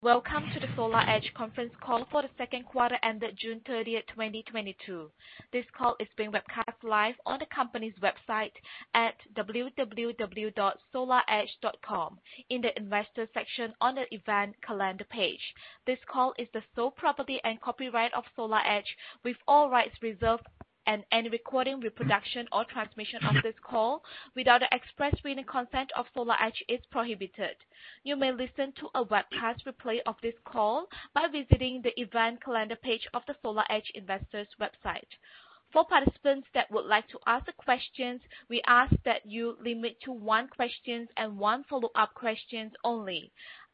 Welcome to the SolarEdge conference call for the second quarter ended June 30th, 2022. This call is being webcast live on the company's website at www.solaredge.com in the investors section on the Event Calendar page. This call is the sole property and copyright of SolarEdge, with all rights reserved, and any recording, reproduction or transmission of this call without the express written consent of SolarEdge is prohibited. You may listen to a webcast replay of this call by visiting the Event Calendar page of the SolarEdge investors website. For participants that would like to ask questions, we ask that you limit to one question and one follow-up question only.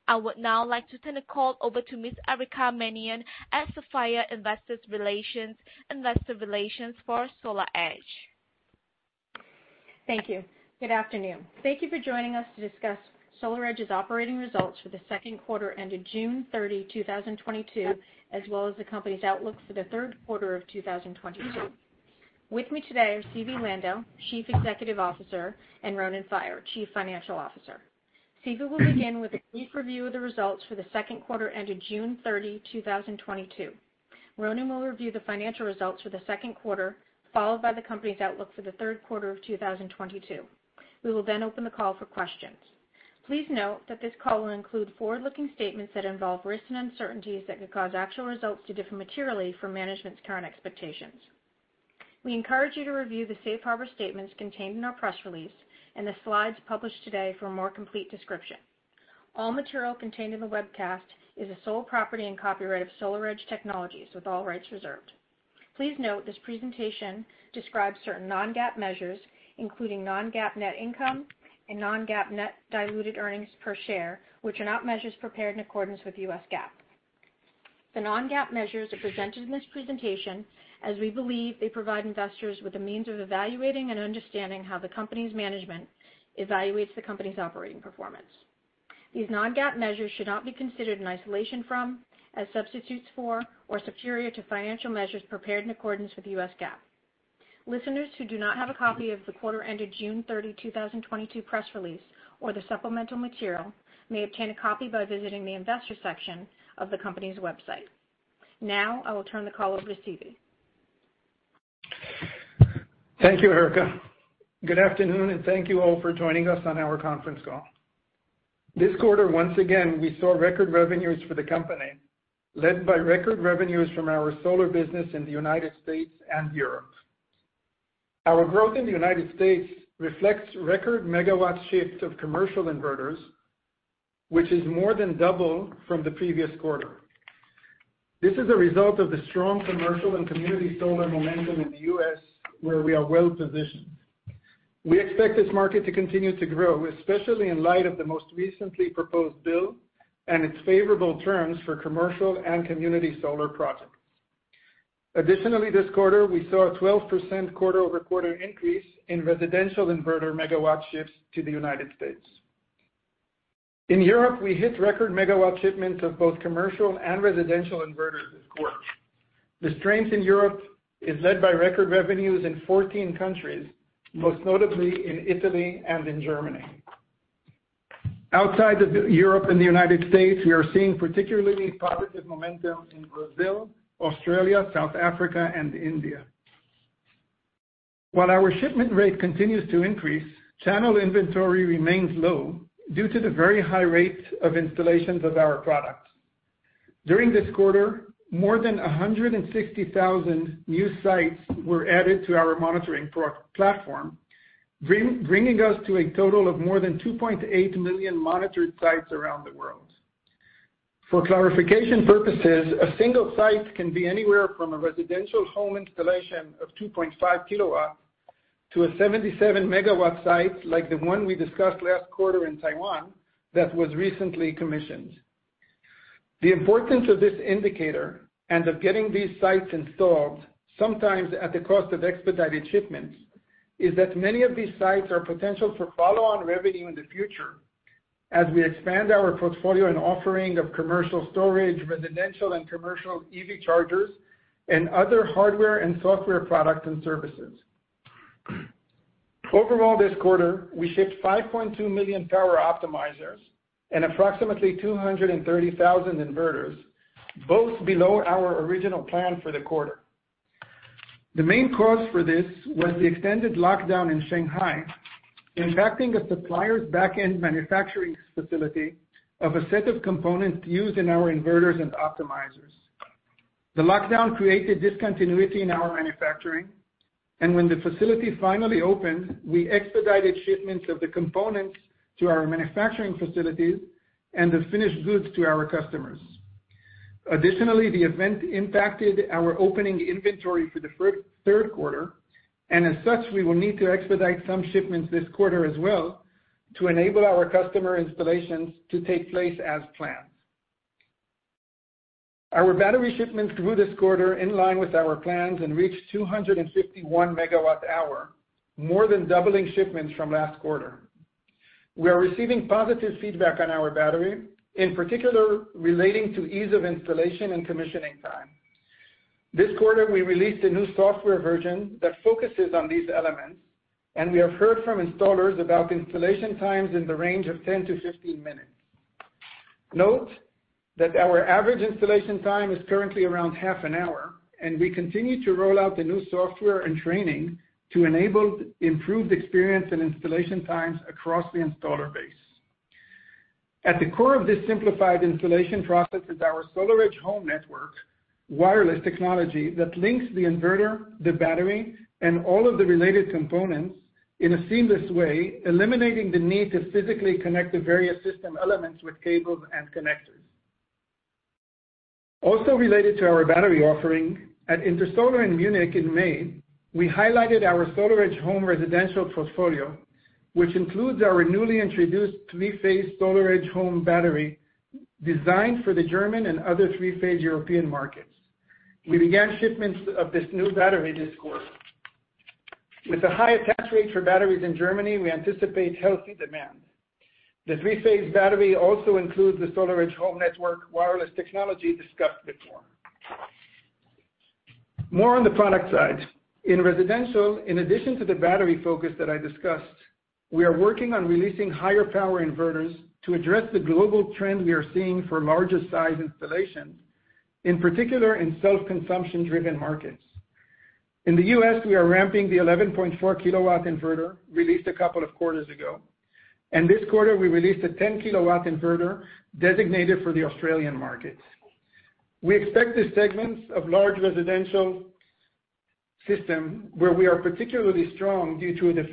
I would now like to turn the call over to Ms. Erica Mannion, Sapphire Investor Relations, Investor Relations for SolarEdge. Thank you. Good afternoon. Thank you for joining us to discuss SolarEdge's operating results for the second quarter ended June 30, 2022, as well as the company's outlook for the third quarter of 2022. With me today are Zvi Lando, Chief Executive Officer, and Ronen Faier, Chief Financial Officer. Zvi will begin with a brief review of the results for the second quarter ended June 30, 2022. Ronen will review the financial results for the second quarter, followed by the company's outlook for the third quarter of 2022. We will then open the call for questions. Please note that this call will include forward-looking statements that involve risks and uncertainties that could cause actual results to differ materially from management's current expectations. We encourage you to review the safe harbor statements contained in our press release and the slides published today for a more complete description. All material contained in the webcast is the sole property and copyright of SolarEdge Technologies, with all rights reserved. Please note this presentation describes certain non-GAAP measures, including non-GAAP net income and non-GAAP net diluted earnings per share, which are not measures prepared in accordance with U.S. GAAP. The non-GAAP measures are presented in this presentation as we believe they provide investors with a means of evaluating and understanding how the company's management evaluates the company's operating performance. These non-GAAP measures should not be considered in isolation from, as substitutes for, or superior to financial measures prepared in accordance with U.S. GAAP. Listeners who do not have a copy of the quarter ended June 30, 2022 press release or the supplemental material may obtain a copy by visiting the Investors section of the company's website. Now I will turn the call over to Zvi. Thank you, Erica. Good afternoon, and thank you all for joining us on our conference call. This quarter, once again, we saw record revenues for the company, led by record revenues from our solar business in the United States and Europe. Our growth in the United States reflects record megawatt shipments of commercial inverters, which is more than double from the previous quarter. This is a result of the strong commercial and community solar momentum in the U.S., where we are well positioned. We expect this market to continue to grow, especially in light of the most recently proposed bill and its favorable terms for commercial and community solar projects. Additionally, this quarter, we saw a 12% quarter-over-quarter increase in residential inverter megawatt shipments to the United States. In Europe, we hit record megawatt shipments of both commercial and residential inverters this quarter. The strength in Europe is led by record revenues in 14 countries, most notably in Italy and in Germany. Outside of Europe and the United States, we are seeing particularly positive momentum in Brazil, Australia, South Africa, and India. While our shipment rate continues to increase, channel inventory remains low due to the very high rates of installations of our products. During this quarter, more than 160,000 new sites were added to our monitoring platform, bringing us to a total of more than 2.8 million monitored sites around the world. For clarification purposes, a single site can be anywhere from a residential home installation of 2.5 kW to a 77-MW site like the one we discussed last quarter in Taiwan that was recently commissioned. The importance of this indicator and of getting these sites installed, sometimes at the cost of expedited shipments, is that many of these sites are potential for follow-on revenue in the future as we expand our portfolio and offering of commercial storage, residential and commercial EV chargers, and other hardware and software products and services. Overall, this quarter, we shipped 5.2 million power optimizers and approximately 230,000 inverters, both below our original plan for the quarter. The main cause for this was the extended lockdown in Shanghai, impacting a supplier's back-end manufacturing facility of a set of components used in our inverters and optimizers. The lockdown created discontinuity in our manufacturing, and when the facility finally opened, we expedited shipments of the components to our manufacturing facilities and the finished goods to our customers. Additionally, the event impacted our opening inventory for the third quarter, and as such, we will need to expedite some shipments this quarter as well to enable our customer installations to take place as planned. Our battery shipments grew this quarter in line with our plans and reached 251 MWh, more than doubling shipments from last quarter. We are receiving positive feedback on our battery, in particular relating to ease of installation and commissioning time. This quarter, we released a new software version that focuses on these elements, and we have heard from installers about installation times in the range of 10-15 minutes. Note that our average installation time is currently around half an hour, and we continue to roll out the new software and training to enable improved experience and installation times across the installer base. At the core of this simplified installation process is our SolarEdge Home Network wireless technology that links the inverter, the battery, and all of the related components in a seamless way, eliminating the need to physically connect the various system elements with cables and connectors. Also related to our battery offering, at Intersolar in Munich in May, we highlighted our SolarEdge Home residential portfolio, which includes our newly introduced three-phase SolarEdge Home Battery designed for the German and other three-phase European markets. We began shipments of this new battery this quarter. With the high attach rate for batteries in Germany, we anticipate healthy demand. The three-phase battery also includes the SolarEdge Home Network wireless technology discussed before. More on the product side. In residential, in addition to the battery focus that I discussed, we are working on releasing higher power inverters to address the global trend we are seeing for larger size installations, in particular in self-consumption-driven markets. In the U.S., we are ramping the 11.4 kW inverter released a couple of quarters ago, and this quarter, we released a 10 kW inverter designated for the Australian market. We expect the segments of large residential system, where we are particularly strong due to the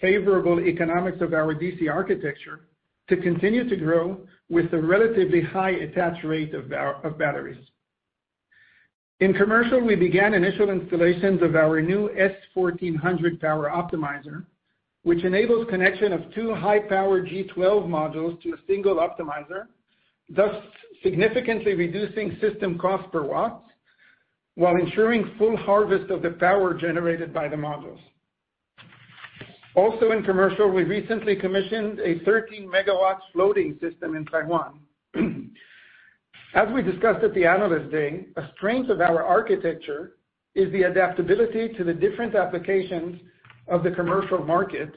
favorable economics of our DC architecture, to continue to grow with the relatively high attach rate of our batteries. In commercial, we began initial installations of our new S1400 Power Optimizer, which enables connection of two high-power G12 modules to a single optimizer, thus significantly reducing system cost per watt while ensuring full harvest of the power generated by the modules. Also in commercial, we recently commissioned a 13-MW floating system in Taiwan. As we discussed at the Analyst Day, a strength of our architecture is the adaptability to the different applications of the commercial market,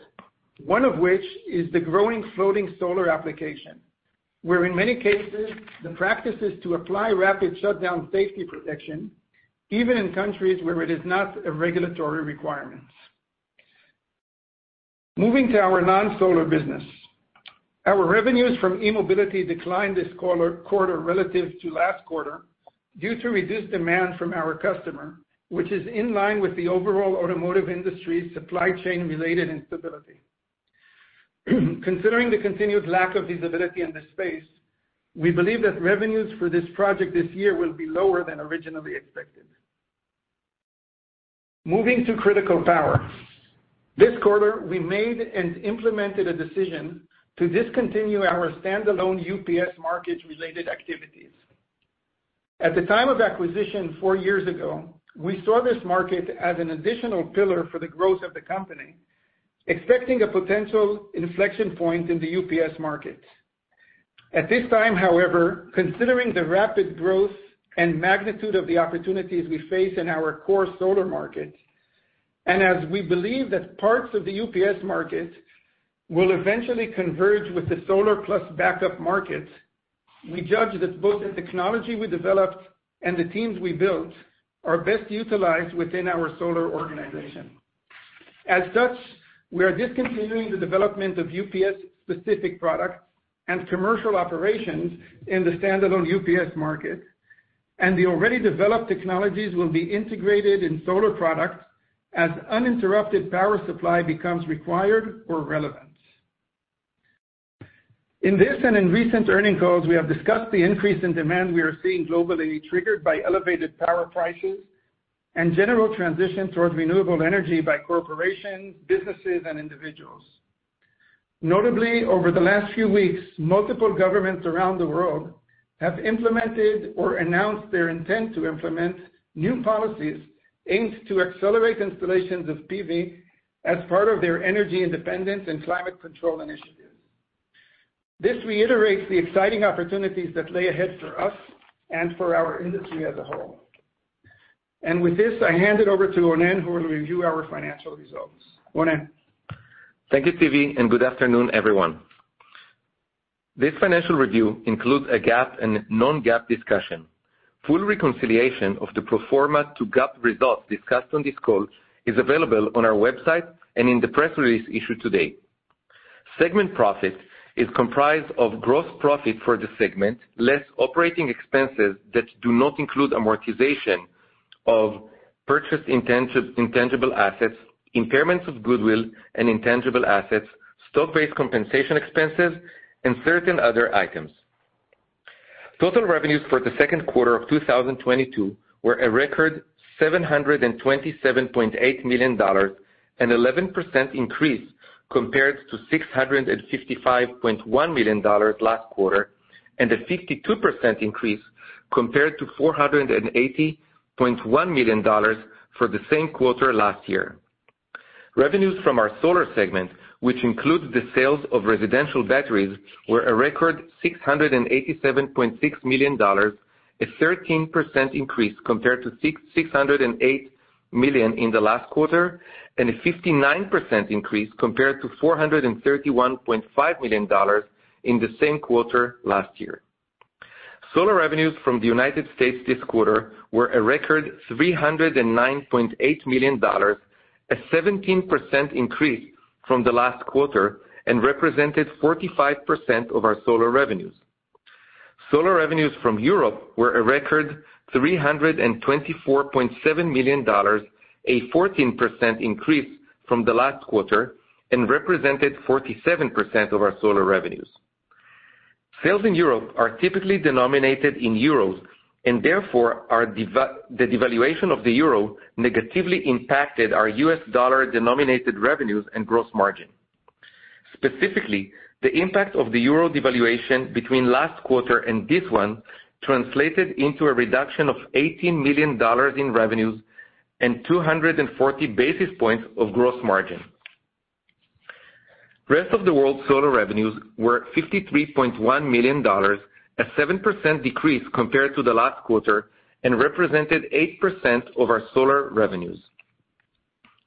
one of which is the growing floating solar application, where in many cases, the practice is to apply rapid shutdown safety protection, even in countries where it is not a regulatory requirement. Moving to our non-solar business. Our revenues from e-Mobility declined this quarter relative to last quarter due to reduced demand from our customer, which is in line with the overall automotive industry supply chain related instability. Considering the continued lack of visibility in this space, we believe that revenues for this project this year will be lower than originally expected. Moving to Critical Power. This quarter, we made and implemented a decision to discontinue our standalone UPS markets related activities. At the time of acquisition four years ago, we saw this market as an additional pillar for the growth of the company, expecting a potential inflection point in the UPS market. At this time, however, considering the rapid growth and magnitude of the opportunities we face in our core solar market, and as we believe that parts of the UPS market will eventually converge with the solar plus backup market, we judge that both the technology we developed and the teams we built are best utilized within our solar organization. As such, we are discontinuing the development of UPS-specific products and commercial operations in the standalone UPS market, and the already developed technologies will be integrated in solar products as uninterruptible power supply becomes required or relevant. In this and in recent earnings calls, we have discussed the increase in demand we are seeing globally triggered by elevated power prices and general transition towards renewable energy by corporations, businesses, and individuals. Notably, over the last few weeks, multiple governments around the world have implemented or announced their intent to implement new policies aimed to accelerate installations of PV as part of their energy independence and climate control initiatives. This reiterates the exciting opportunities that lie ahead for us and for our industry as a whole. With this, I hand it over to Ronen, who will review our financial results. Ronen. Thank you, Zvi, and good afternoon, everyone. This financial review includes a GAAP and non-GAAP discussion. Full reconciliation of the pro forma to GAAP results discussed on this call is available on our website and in the press release issued today. Segment profit is comprised of gross profit for the segment, less operating expenses that do not include amortization of purchased intangible assets, impairments of goodwill and intangible assets, stock-based compensation expenses, and certain other items. Total revenues for the second quarter of 2022 were a record $727.8 million, an 11% increase compared to $655.1 million last quarter, and a 52% increase compared to $480.1 million for the same quarter last year. Revenues from our solar segment, which includes the sales of residential batteries, were a record $687.6 million, a 13% increase compared to $608 million in the last quarter, and a 59% increase compared to $431.5 million in the same quarter last year. Solar revenues from the United States this quarter were a record $309.8 million, a 17% increase from the last quarter, and represented 45% of our solar revenues. Solar revenues from Europe were a record $324.7 million, a 14% increase from the last quarter, and represented 47% of our solar revenues. Sales in Europe are typically denominated in euros, and therefore the devaluation of the euro negatively impacted our U.S. dollar-denominated revenues and gross margin. Specifically, the impact of the euro devaluation between last quarter and this one translated into a reduction of $18 million in revenues and 240 basis points of gross margin. Rest of the world solar revenues were $53.1 million, a 7% decrease compared to the last quarter, and represented 8% of our solar revenues.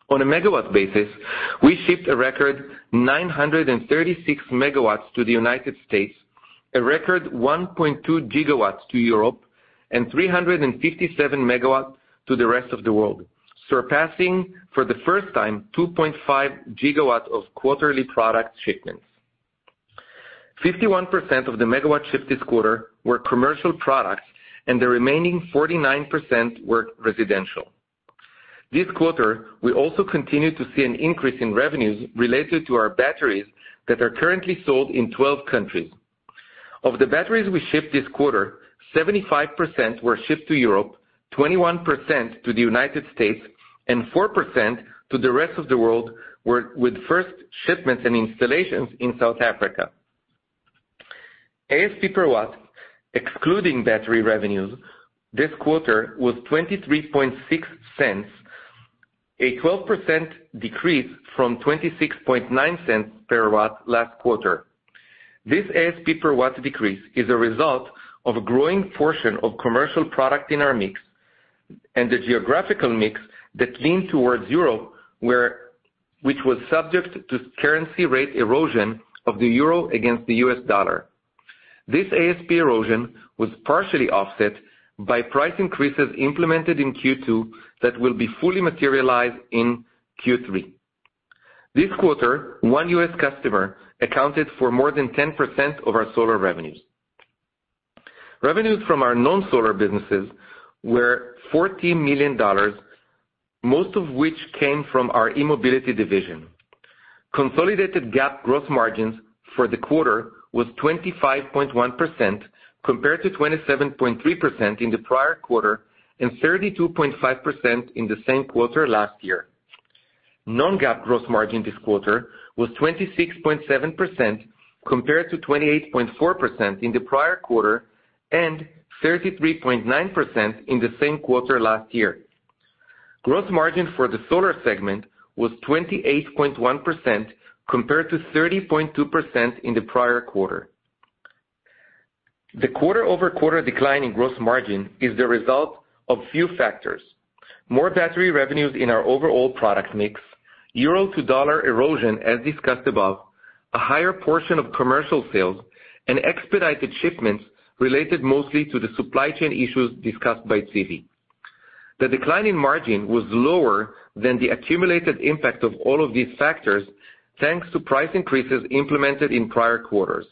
On a megawatt basis, we shipped a record 936 MW to the United States, a record 1.2 GW to Europe, and 357 MW to the rest of the world, surpassing for the first time 2.5 GW of quarterly product shipments. 51% of the megawatts shipped this quarter were commercial products, and the remaining 49% were residential. This quarter, we also continued to see an increase in revenues related to our batteries that are currently sold in 12 countries. Of the batteries we shipped this quarter, 75% were shipped to Europe, 21% to the United States, and 4% to the rest of the world, with first shipments and installations in South Africa. ASP per watt, excluding battery revenues, this quarter was $0.236, a 12% decrease from $0.269 per watt last quarter. This ASP per watt decrease is a result of a growing portion of commercial product in our mix and the geographical mix that leaned towards Europe, which was subject to currency rate erosion of the euro against the U.S. dollar. This ASP erosion was partially offset by price increases implemented in Q2 that will be fully materialized in Q3. This quarter, one U.S. customer accounted for more than 10% of our solar revenues. Revenues from our non-solar businesses were $14 million, most of which came from our e-Mobility division. Consolidated GAAP gross margins for the quarter was 25.1% compared to 27.3% in the prior quarter and 32.5% in the same quarter last year. Non-GAAP gross margin this quarter was 26.7% compared to 28.4% in the prior quarter and 33.9% in the same quarter last year. Gross margin for the solar segment was 28.1% compared to 30.2% in the prior quarter. The quarter-over-quarter decline in gross margin is the result of few factors. More battery revenues in our overall product mix, euro-to-dollar erosion as discussed above, a higher portion of commercial sales, and expedited shipments related mostly to the supply chain issues discussed by Zvi. The decline in margin was lower than the accumulated impact of all of these factors, thanks to price increases implemented in prior quarters.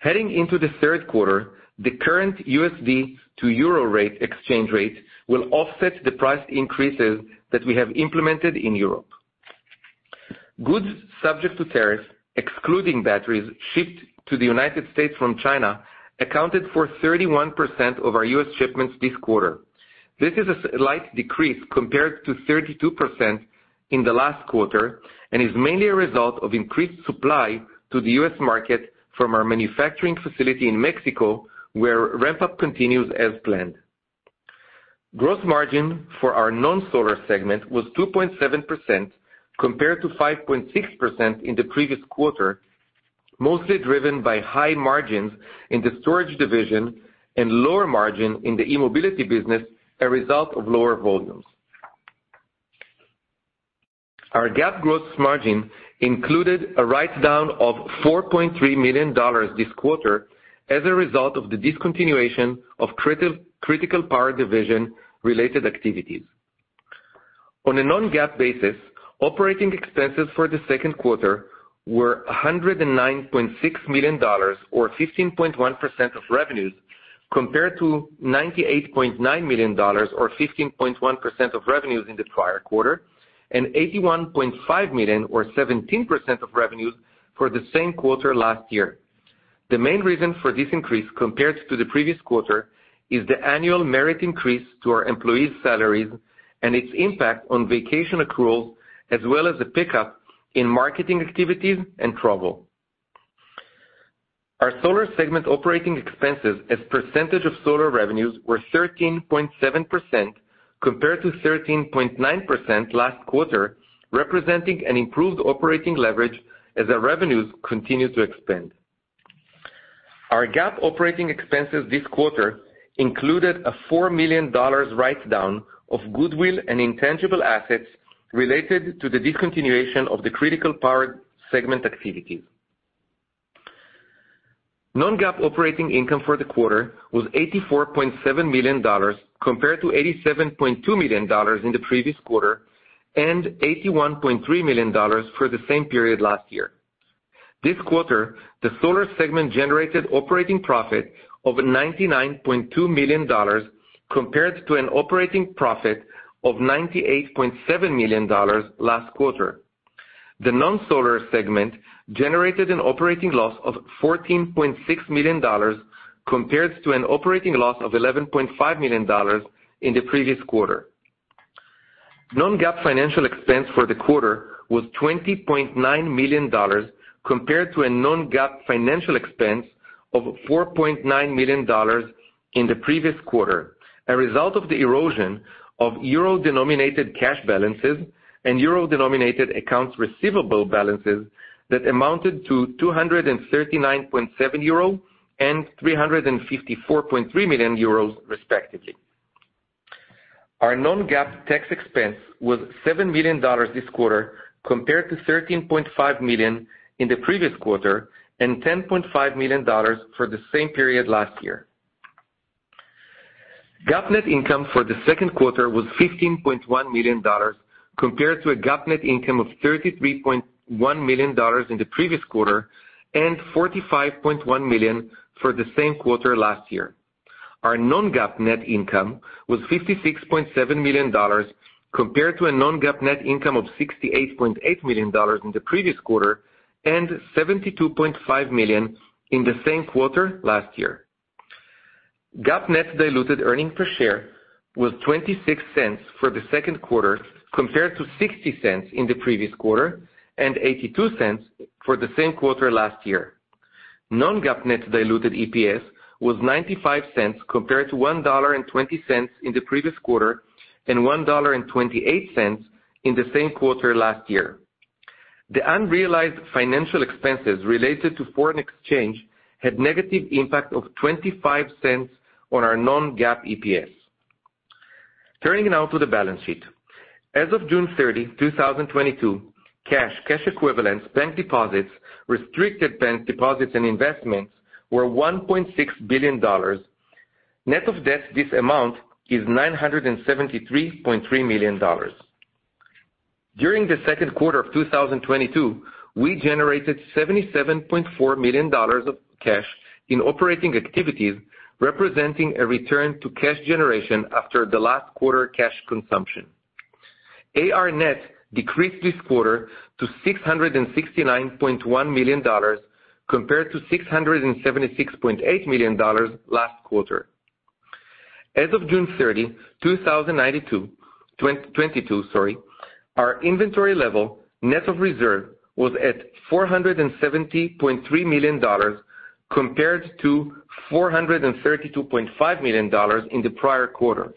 Heading into the third quarter, the current USD-to-euro exchange rate will offset the price increases that we have implemented in Europe. Goods subject to tariffs, excluding batteries, shipped to the United States from China accounted for 31% of our U.S. shipments this quarter. This is a slight decrease compared to 32% in the last quarter and is mainly a result of increased supply to the U.S. market from our manufacturing facility in Mexico, where ramp-up continues as planned. Gross margin for our non-solar segment was 2.7% compared to 5.6% in the previous quarter, mostly driven by high margins in the storage division and lower margin in the e-Mobility business, a result of lower volumes. Our GAAP gross margin included a write-down of $4.3 million this quarter as a result of the discontinuation of Critical Power division-related activities. On a non-GAAP basis, operating expenses for the second quarter were $109.6 million or 15.1% of revenues, compared to $98.9 million or 15.1% of revenues in the prior quarter, and $81.5 million or 17% of revenues for the same quarter last year. The main reason for this increase compared to the previous quarter is the annual merit increase to our employees' salaries and its impact on vacation accrual, as well as the pickup in marketing activities and travel. Our solar segment operating expenses as a percentage of solar revenues were 13.7% compared to 13.9% last quarter, representing an improved operating leverage as our revenues continue to expand. Our GAAP operating expenses this quarter included a $4 million write-down of goodwill and intangible assets related to the discontinuation of the Critical Power segment activities. Non-GAAP operating income for the quarter was $84.7 million compared to $87.2 million in the previous quarter and $81.3 million for the same period last year. This quarter, the solar segment generated operating profit of $99.2 million compared to an operating profit of $98.7 million last quarter. The non-solar segment generated an operating loss of $14.6 million compared to an operating loss of $11.5 million in the previous quarter. Non-GAAP financial expense for the quarter was $20.9 million compared to a non-GAAP financial expense of $4.9 million in the previous quarter, a result of the erosion of euro-denominated cash balances and euro-denominated accounts receivable balances that amounted to 239.7 million euro and 354.3 million euros, respectively. Our non-GAAP tax expense was $7 million this quarter, compared to $13.5 million in the previous quarter, and $10.5 million for the same period last year. GAAP net income for the second quarter was $15.1 million compared to a GAAP net income of $33.1 million in the previous quarter and $45.1 million for the same quarter last year. Our non-GAAP net income was $56.7 million compared to a non-GAAP net income of $68.8 million in the previous quarter and $72.5 million in the same quarter last year. GAAP net diluted earnings per share was $0.26 for the second quarter, compared to $0.60 in the previous quarter and $0.82 for the same quarter last year. Non-GAAP net diluted EPS was $0.95 compared to $1.20 in the previous quarter and $1.28 in the same quarter last year. The unrealized financial expenses related to foreign exchange had negative impact of $0.25 on our non-GAAP EPS. Turning now to the balance sheet. As of June 30, 2022, cash equivalents, bank deposits, restricted bank deposits and investments were $1.6 billion. Net of debt, this amount is $973.3 million. During the second quarter of 2022, we generated $77.4 million of cash in operating activities, representing a return to cash generation after the last quarter cash consumption. AR net decreased this quarter to $669.1 million compared to $676.8 million last quarter. As of June 30, 2022, our inventory level, net of reserve, was at $470.3 million compared to $432.5 million in the prior quarter.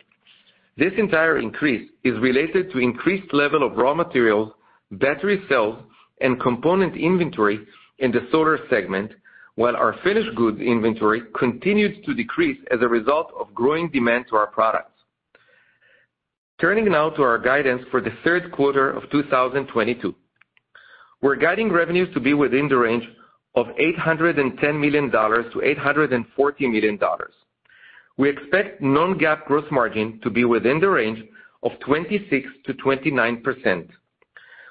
This entire increase is related to increased level of raw materials, battery cells and component inventory in the solar segment, while our finished goods inventory continued to decrease as a result of growing demand for our products. Turning now to our guidance for the third quarter of 2022. We're guiding revenues to be within the range of $810 million-$840 million. We expect non-GAAP gross margin to be within the range of 26%-29%.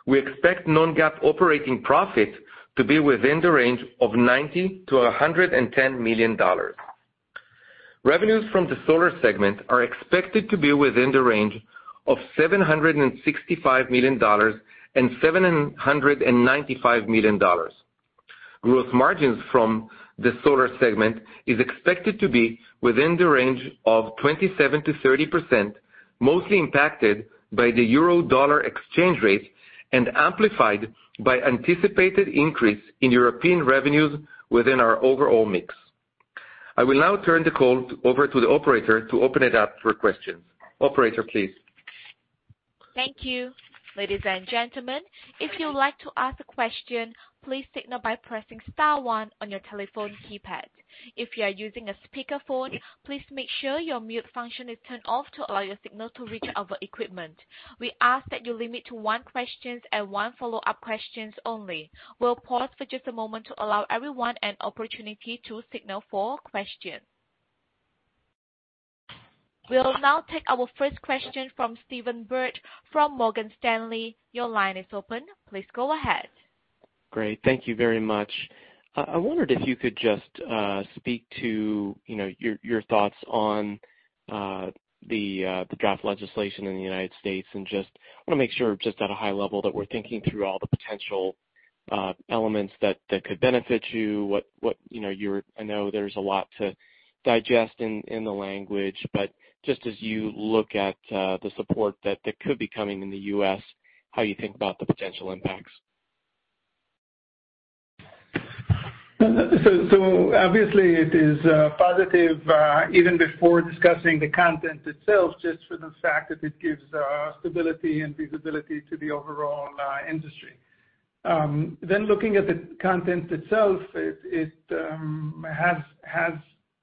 We expect non-GAAP operating profit to be within the range of $90 million-$110 million. Revenues from the solar segment are expected to be within the range of $765 million-$795 million. Gross margins from the solar segment is expected to be within the range of 27%-30%, mostly impacted by the euro-dollar exchange rate and amplified by anticipated increase in European revenues within our overall mix. I will now turn the call over to the operator to open it up for questions. Operator, please. Thank you. Ladies and gentlemen, if you would like to ask a question, please signal by pressing star one on your telephone keypad. If you are using a speakerphone, please make sure your mute function is turned off to allow your signal to reach our equipment. We ask that you limit to one question and one follow-up question only. We'll pause for just a moment to allow everyone an opportunity to signal for questions. We'll now take our first question from Stephen Byrd from Morgan Stanley. Your line is open. Please go ahead. Great. Thank you very much. I wondered if you could just speak to, you know, your thoughts on the draft legislation in the United States and just wanna make sure just at a high level that we're thinking through all the potential elements that could benefit you. What you know, I know there's a lot to digest in the language, but just as you look at the support that could be coming in the U.S., how you think about the potential impacts? No, no. Obviously it is positive, even before discussing the content itself, just for the fact that it gives stability and visibility to the overall industry. Looking at the content itself, it has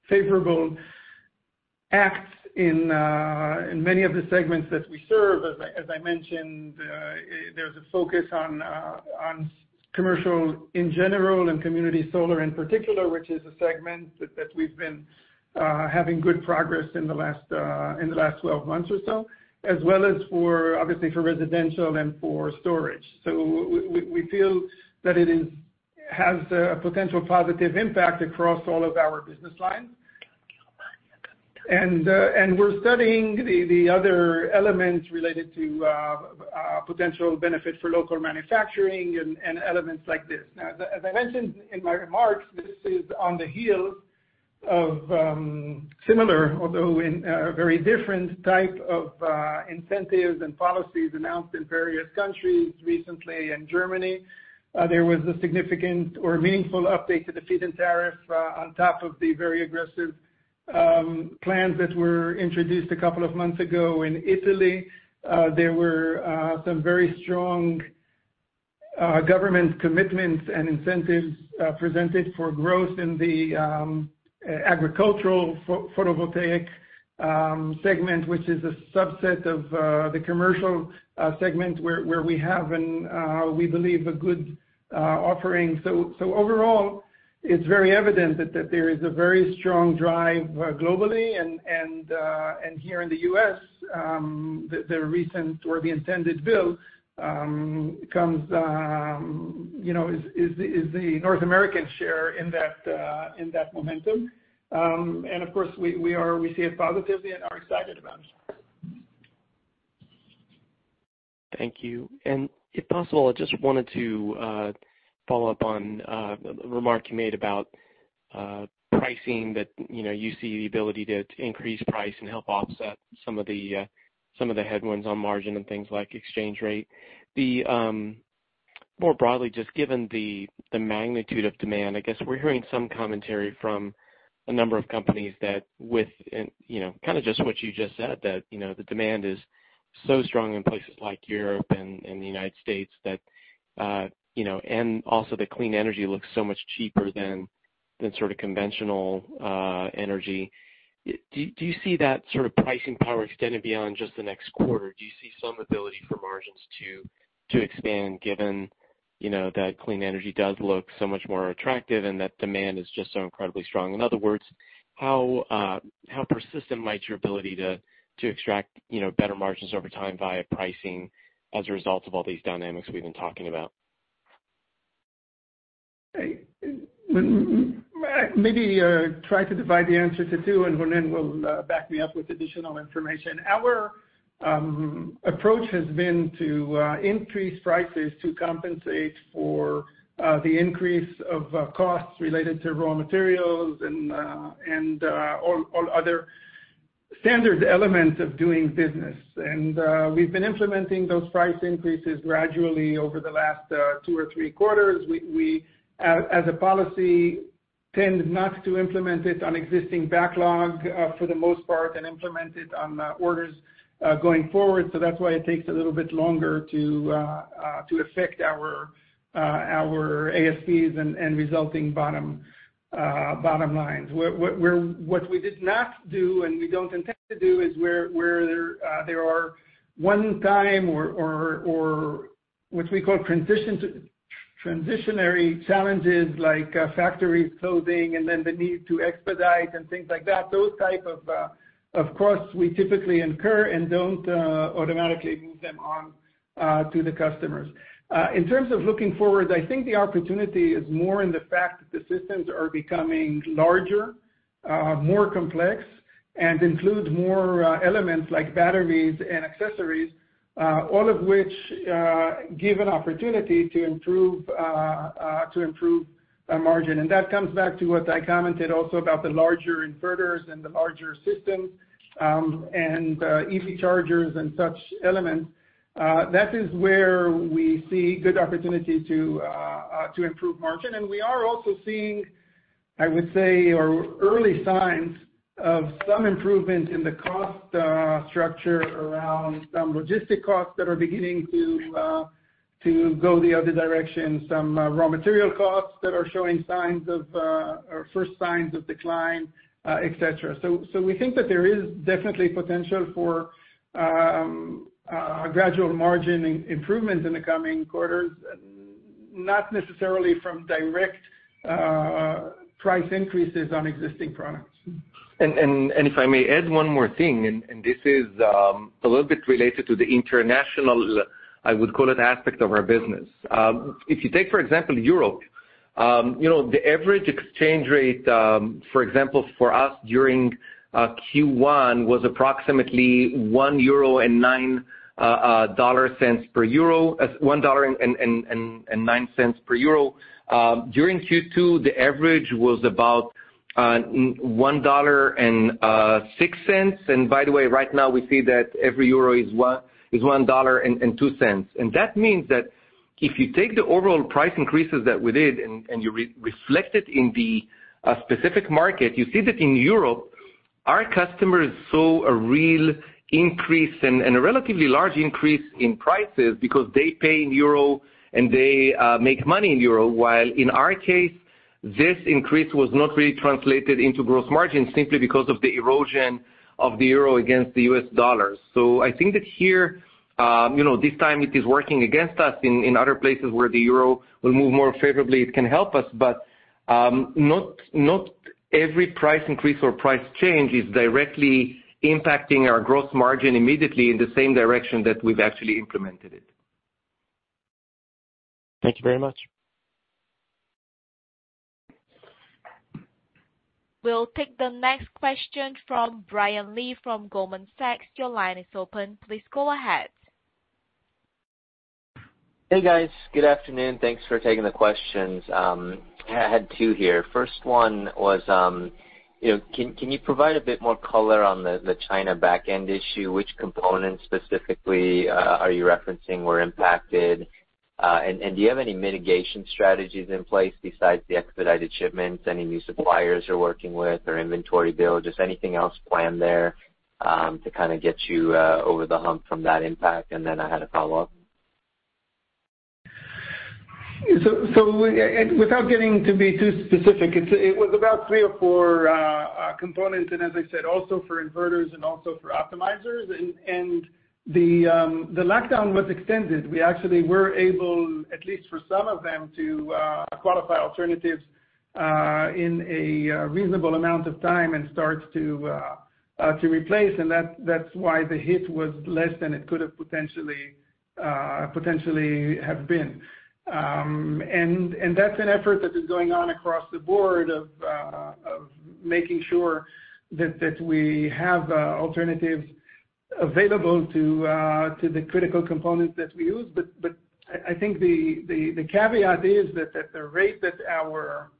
favorable aspects in many of the segments that we serve. As I mentioned, there's a focus on commercial in general and community solar in particular, which is a segment that we've been having good progress in the last 12 months or so, as well as for, obviously for residential and for storage. We feel that it has a potential positive impact across all of our business lines. We're studying the other elements related to potential benefit for local manufacturing and elements like this. Now, as I mentioned in my remarks, this is on the heels of similar, although in a very different type of incentives and policies announced in various countries recently in Germany. There was a significant or meaningful update to the feed-in tariff on top of the very aggressive plans that were introduced a couple of months ago in Italy. There were some very strong government commitments and incentives presented for growth in the agricultural photovoltaic segment, which is a subset of the commercial segment where we have and we believe a good offering. Overall, it's very evident that there is a very strong drive globally and here in the U.S., the recent or the intended bill, you know, is the North American share in that momentum. Of course, we see it positively and are excited about it. Thank you. If possible, I just wanted to follow up on a remark you made about pricing that, you know, you see the ability to increase price and help offset some of the headwinds on margin and things like exchange rate. More broadly, just given the magnitude of demand, I guess we're hearing some commentary from a number of companies that, you know, kind of just what you just said, that, you know, the demand is so strong in places like Europe and the United States that, you know, and also the clean energy looks so much cheaper than sort of conventional energy. Do you see that sort of pricing power extending beyond just the next quarter? Do you see some ability for margins to expand given, you know, that clean energy does look so much more attractive and that demand is just so incredibly strong? In other words, how persistent might your ability to extract, you know, better margins over time via pricing as a result of all these dynamics we've been talking about? Maybe try to divide the answer to two, and Ronen will back me up with additional information. Our approach has been to increase prices to compensate for the increase of costs related to raw materials and all other standard elements of doing business. We've been implementing those price increases gradually over the last two or three quarters. We, as a policy, tend not to implement it on existing backlog for the most part and implement it on orders going forward. That's why it takes a little bit longer to affect our ASPs and resulting bottom lines. What we did not do and we don't intend to do is where there are one-time or what we call transitionary challenges like factories closing and then the need to expedite and things like that. Those type of costs we typically incur and don't automatically move them on to the customers. In terms of looking forward, I think the opportunity is more in the fact that the systems are becoming larger, more complex and include more elements like batteries and accessories, all of which give an opportunity to improve margin. That comes back to what I commented also about the larger inverters and the larger systems, and EV chargers and such elements. That is where we see good opportunity to improve margin. We are also seeing, I would say, our early signs of some improvement in the cost structure around some logistics costs that are beginning to go the other direction, some raw material costs that are showing our first signs of decline, et cetera. We think that there is definitely potential for gradual margin improvement in the coming quarters, not necessarily from direct price increases on existing products. If I may add one more thing, this is a little bit related to the international aspect of our business. If you take, for example, Europe, you know, the average exchange rate, for example, for us during Q1 was approximately $1.09 per euro. During Q2, the average was about $1.06. By the way, right now we see that every euro is $1.02. That means that if you take the overall price increases that we did and you reflect it in the specific market, you see that in Europe, our customers saw a real increase and a relatively large increase in prices because they pay in euro and they make money in euro, while in our case, this increase was not really translated into gross margin simply because of the erosion of the euro against the U.S. dollar. I think that here, you know, this time it is working against us. In other places where the euro will move more favorably, it can help us. Not every price increase or price change is directly impacting our gross margin immediately in the same direction that we've actually implemented it. Thank you very much. We'll take the next question from Brian Lee from Goldman Sachs. Your line is open. Please go ahead. Hey, guys. Good afternoon. Thanks for taking the questions. I had two here. First one was, you know, can you provide a bit more color on the China back end issue? Which components specifically are you referencing were impacted? And do you have any mitigation strategies in place besides the expedited shipments, any new suppliers you're working with or inventory build? Just anything else planned there to kind of get you over the hump from that impact? Then I had a follow-up. Without getting to be too specific, it was about three or four components, and as I said, also for Inverters and also for Optimizers. The lockdown was extended. We actually were able, at least for some of them, to qualify alternatives in a reasonable amount of time and start to replace. That's why the hit was less than it could have potentially have been. That's an effort that is going on across the board of making sure that we have alternatives available to the critical components that we use. I think the caveat is that at the rate that our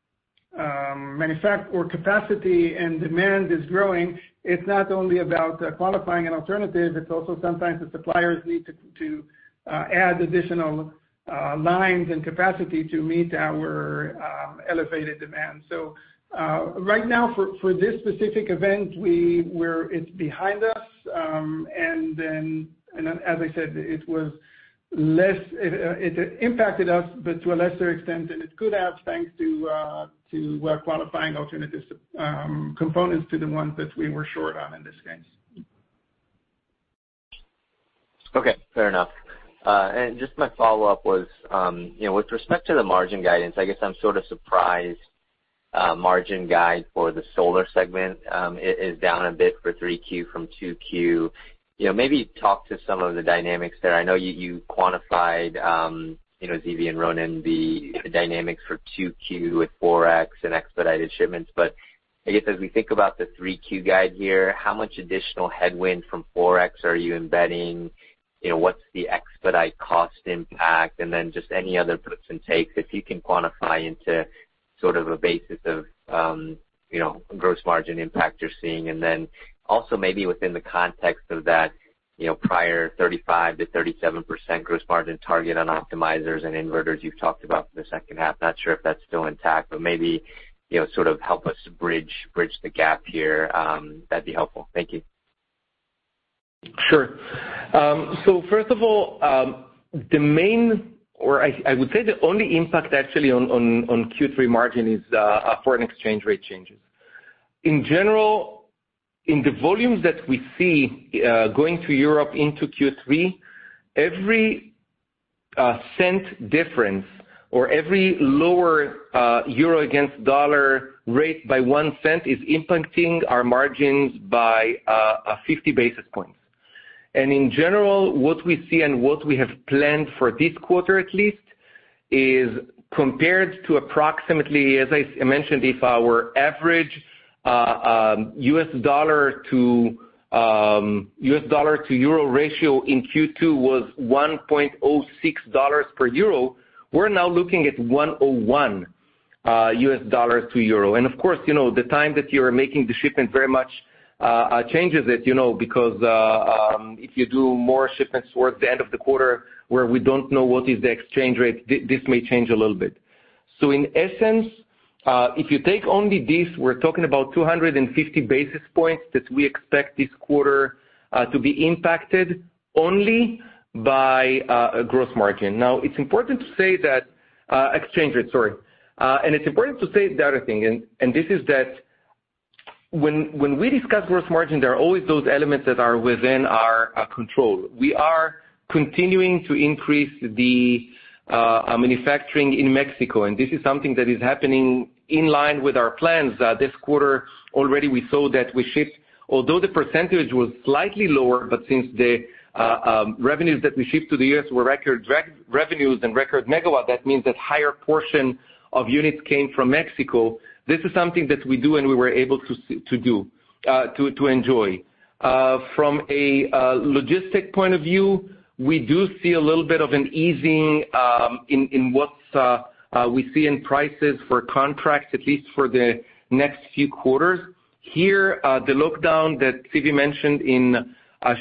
manufacturing capacity and demand is growing, it's not only about qualifying an alternative, it's also sometimes the suppliers need to add additional lines and capacity to meet our elevated demand. Right now for this specific event, it's behind us. As I said, it impacted us, but to a lesser extent than it could have, thanks to qualifying alternative components to the ones that we were short on in this case. Okay, fair enough. And just my follow-up was, you know, with respect to the margin guidance, I guess I'm sort of surprised, margin guide for the solar segment, is down a bit for 3Q from 2Q. You know, maybe talk to some of the dynamics there. I know you quantified, you know, Zvi and Ronen, the dynamics for 2Q with forex and expedited shipments. But I guess as we think about the 3Q guide here, how much additional headwind from forex are you embedding? You know, what's the expedite cost impact? And then just any other puts and takes, if you can quantify into sort of a basis of, you know, gross margin impact you're seeing. Then also maybe within the context of that, you know, prior 35%-37% gross margin target on optimizers and inverters you've talked about for the second half. Not sure if that's still intact, but maybe, you know, sort of help us bridge the gap here. That'd be helpful. Thank you. Sure. First of all, the main or I would say the only impact actually on Q3 margin is foreign exchange rate changes. In general, in the volumes that we see going to Europe into Q3, every cent difference or every lower euro against dollar rate by $0.01 is impacting our margins by 50 basis points. In general, what we see and what we have planned for this quarter at least is compared to approximately, as I mentioned, if our average U.S. dollar to euro ratio in Q2 was $1.06 per euro, we're now looking at $1.01 to euro. Of course, you know, the time that you are making the shipment very much changes it, you know, because if you do more shipments towards the end of the quarter where we don't know what is the exchange rate, this may change a little bit. In essence, if you take only this, we're talking about 250 basis points that we expect this quarter to be impacted only by gross margin. Now, it's important to say that exchange rate, sorry. It's important to say the other thing, and this is that when we discuss gross margin, there are always those elements that are within our control. We are continuing to increase the manufacturing in Mexico, and this is something that is happening in line with our plans. This quarter already we saw that we shipped, although the percentage was slightly lower, but since the revenues that we shipped to the U.S. were record revenues and record megawatts, that means that higher portion of units came from Mexico. This is something that we do and we were able to do to enjoy. From a logistic point of view, we do see a little bit of an easing in what we see in prices for contracts, at least for the next few quarters. Here, the lockdown that Zvi mentioned in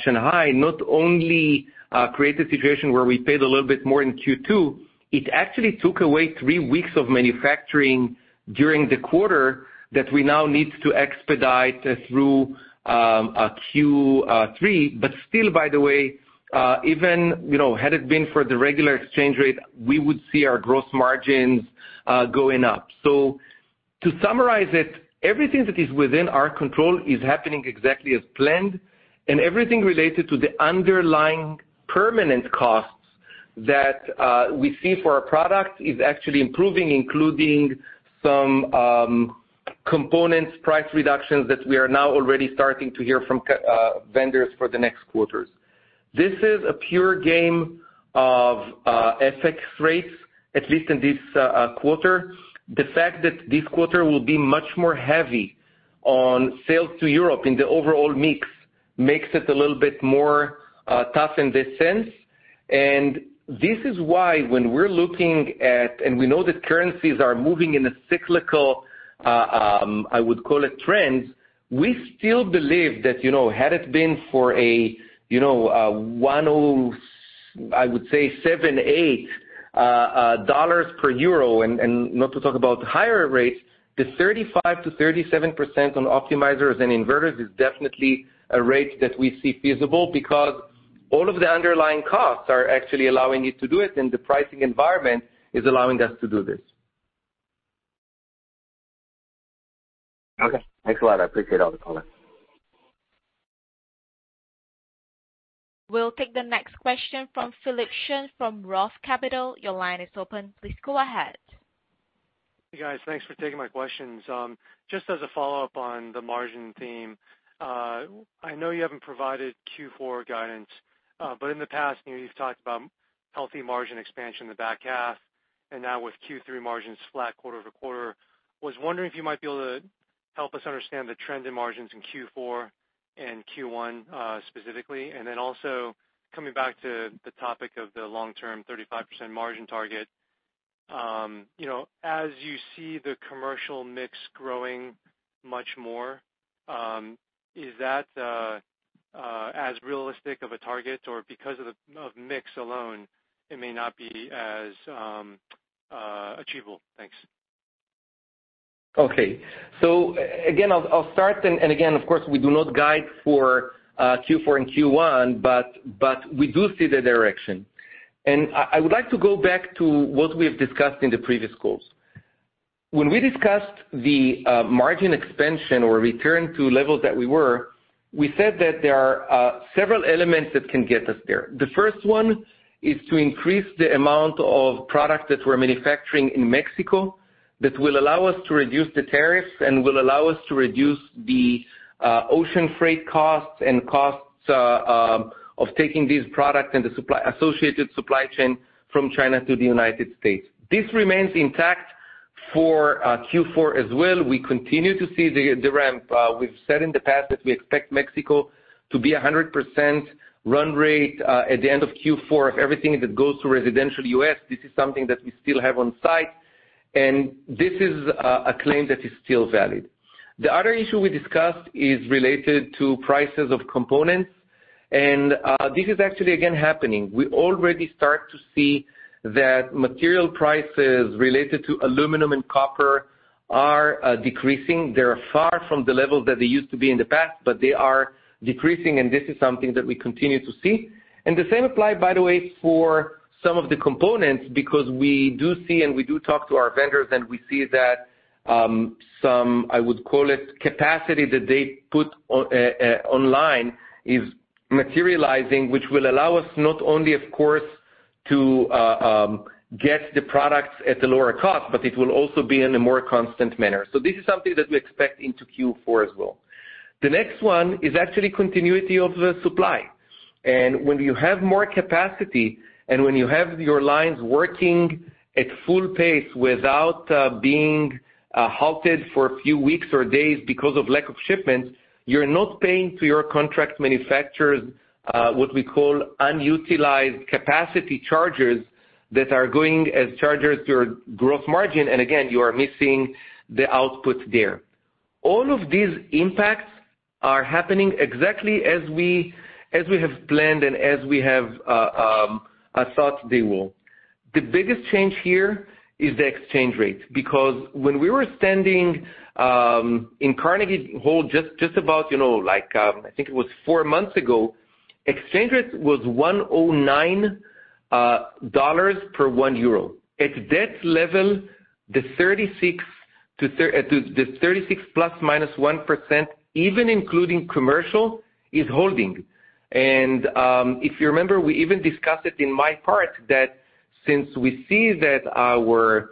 Shanghai not only created a situation where we paid a little bit more in Q2, it actually took away three weeks of manufacturing during the quarter that we now need to expedite through Q3. Still, by the way, even, you know, had it been for the regular exchange rate, we would see our gross margins going up. To summarize it, everything that is within our control is happening exactly as planned, and everything related to the underlying permanent costs that we see for our products is actually improving, including some components price reductions that we are now already starting to hear from vendors for the next quarters. This is a pure game of FX rates, at least in this quarter. The fact that this quarter will be much more heavy on sales to Europe in the overall mix makes it a little bit more tough in this sense. This is why when we're looking at, and we know that currencies are moving in a cyclical, I would call it trends, we still believe that, you know, had it been for a, you know, I would say $7-$8 per euro, and not to talk about higher rates, the 35%-37% on optimizers and inverters is definitely a rate that we see feasible because all of the underlying costs are actually allowing it to do it, and the pricing environment is allowing us to do this. Okay. Thanks a lot. I appreciate all the comments. We'll take the next question from Philip Shen from ROTH Capital. Your line is open. Please go ahead. Hey, guys. Thanks for taking my questions. Just as a follow-up on the margin theme, I know you haven't provided Q4 guidance, but in the past, you know, you've talked about healthy margin expansion in the back half, and now with Q3 margins flat quarter over quarter, was wondering if you might be able to help us understand the trend in margins in Q4 and Q1, specifically. Coming back to the topic of the long-term 35% margin target, you know, as you see the commercial mix growing much more, is that as realistic of a target or because of mix alone, it may not be as achievable? Thanks. Okay. Again, I'll start, and again, of course, we do not guide for Q4 and Q1, but we do see the direction. I would like to go back to what we have discussed in the previous calls. When we discussed the margin expansion or return to levels that we were, we said that there are several elements that can get us there. The first one is to increase the amount of product that we're manufacturing in Mexico that will allow us to reduce the tariffs and will allow us to reduce the ocean freight costs and costs of taking these products and the associated supply chain from China to the United States. This remains intact for Q4 as well. We continue to see the ramp. We've said in the past that we expect Mexico to be 100% run rate at the end of Q4 of everything that goes to residential U.S. This is something that we still have on site, and this is a claim that is still valid. The other issue we discussed is related to prices of components, and this is actually again happening. We already start to see that material prices related to aluminum and copper are decreasing. They're far from the level that they used to be in the past, but they are decreasing, and this is something that we continue to see. The same apply, by the way, for some of the components because we do see and we do talk to our vendors and we see that, some, I would call it capacity that they put online is materializing, which will allow us not only of course to, get the products at a lower cost, but it will also be in a more constant manner. This is something that we expect into Q4 as well. The next one is actually continuity of the supply. When you have more capacity and when you have your lines working at full pace without being halted for a few weeks or days because of lack of shipments, you're not paying to your contract manufacturers what we call unutilized capacity charges that are going as charges to your gross margin, and again, you are missing the output there. All of these impacts are happening exactly as we have planned and as we have thought they will. The biggest change here is the exchange rate, because when we were standing in Carnegie Hall just about, you know, like, I think it was four months ago, exchange rate was $1.09 per EUR 1. At that level, the 36% ±1%, even including commercial, is holding. If you remember, we even discussed it in my part that since we see that our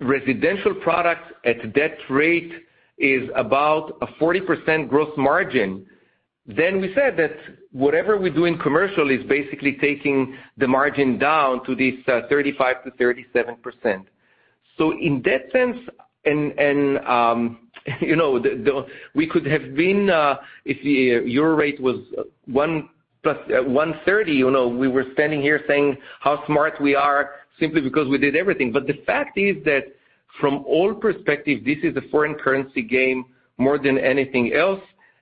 residential products at that rate is about a 40% gross margin, then we said that whatever we do in commercial is basically taking the margin down to this 35%-37%. In that sense, and you know, the we could have been if the euro rate was 1.30, you know, we were standing here saying how smart we are simply because we did everything. The fact is that from all perspectives, this is a foreign currency game more than anything else.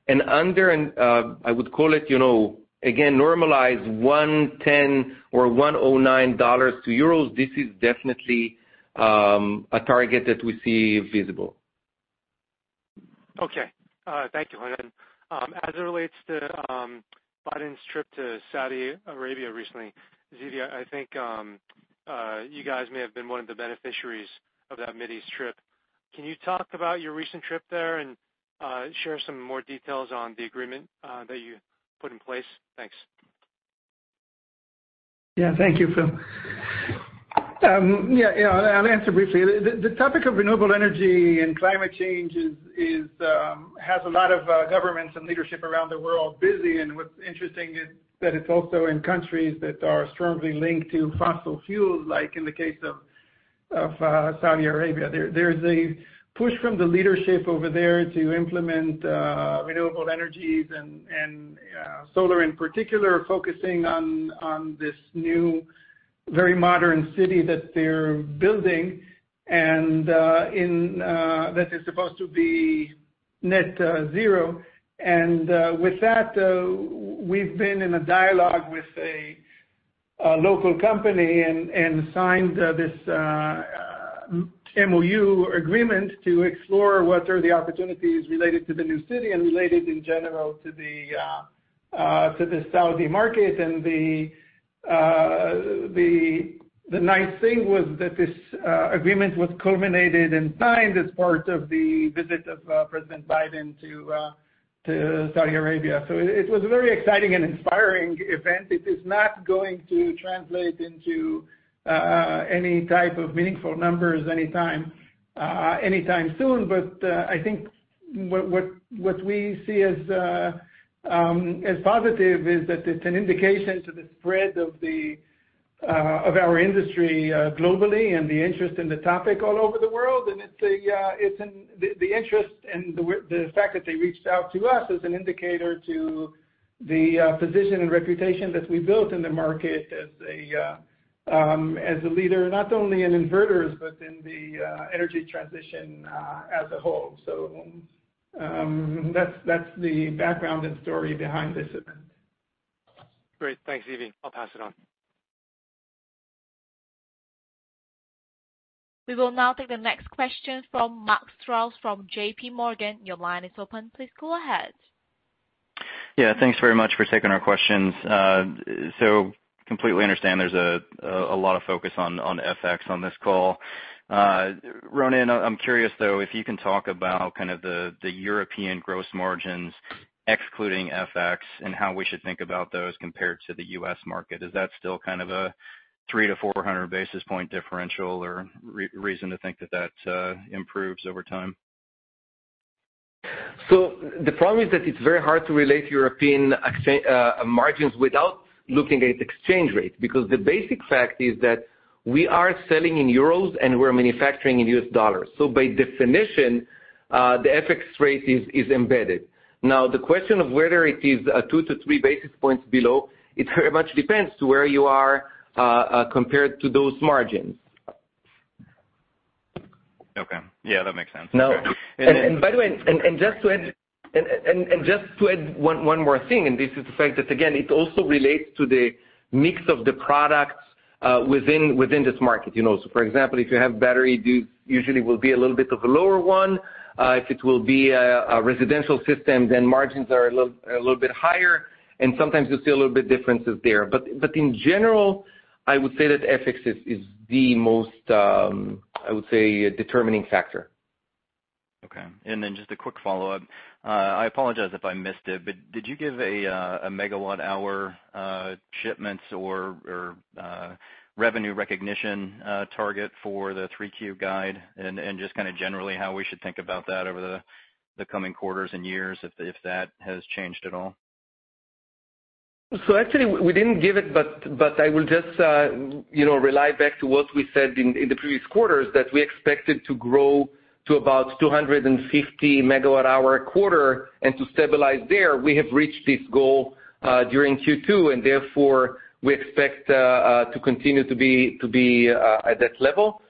Under, I would call it, you know, again, normalized $1.10 or $1.09 to euros, this is definitely a target that we see visible. Okay. Thank you, Ronen Faier. As it relates to Biden's trip to Saudi Arabia recently, Zvi Lando, I think you guys may have been one of the beneficiaries of that Mideast trip. Can you talk about your recent trip there and share some more details on the agreement that you put in place? Thanks. Yeah. Thank you, Phil. I'll answer briefly. The topic of renewable energy and climate change is has a lot of governments and leadership around the world busy, and what's interesting is that it's also in countries that are strongly linked to fossil fuels, like in the case of Saudi Arabia. There's a push from the leadership over there to implement renewable energies and solar in particular, focusing on this new, very modern city that they're building and that is supposed to be net zero. With that, we've been in a dialogue with a local company and signed this MOU agreement to explore what are the opportunities related to the new city and related in general to the Saudi market. The nice thing was that this agreement was culminated and signed as part of the visit of President Biden to Saudi Arabia. It was a very exciting and inspiring event. It is not going to translate into any type of meaningful numbers anytime soon. I think what we see as positive is that it's an indication to the spread of our industry globally and the interest in the topic all over the world. The interest and the fact that they reached out to us is an indicator to the position and reputation that we built in the market as a leader, not only in inverters but in the energy transition as a whole. That's the background and story behind this event. Great. Thanks, Zvi. I'll pass it on. We will now take the next question from Mark Strouse from JPMorgan. Your line is open. Please go ahead. Yeah. Thanks very much for taking our questions. Completely understand there's a lot of focus on FX on this call. Ronen, I'm curious though, if you can talk about kind of the European gross margins excluding FX and how we should think about those compared to the U.S. market. Is that still kind of a 300-400 basis point differential or reason to think that improves over time? The problem is that it's very hard to relate European margins without looking at exchange rate, because the basic fact is that we are selling in euros, and we're manufacturing in U.S. dollars. By definition, the FX rate is embedded. Now, the question of whether it is 2-3 basis points below, it very much depends to where you are compared to those margins. Okay. Yeah, that makes sense. Now. And, and-By the way, just to add one more thing, this is the fact that again, it also relates to the mix of the products within this market, you know. For example, if you have battery, you usually will be a little bit of a lower one. If it will be a residential system, then margins are a little bit higher, and sometimes you'll see a little bit differences there. In general, I would say that FX is the most determining factor. Okay. Just a quick follow-up. I apologize if I missed it, but did you give a megawatt-hour shipments or revenue recognition target for the 3Q guide? Just kinda generally how we should think about that over the coming quarters and years if that has changed at all. Actually we didn't give it, but I will just, you know, refer back to what we said in the previous quarters, that we expected to grow to about 250 MWh quarter and to stabilize there. We have reached this goal during Q2, and therefore we expect to continue to be at that level.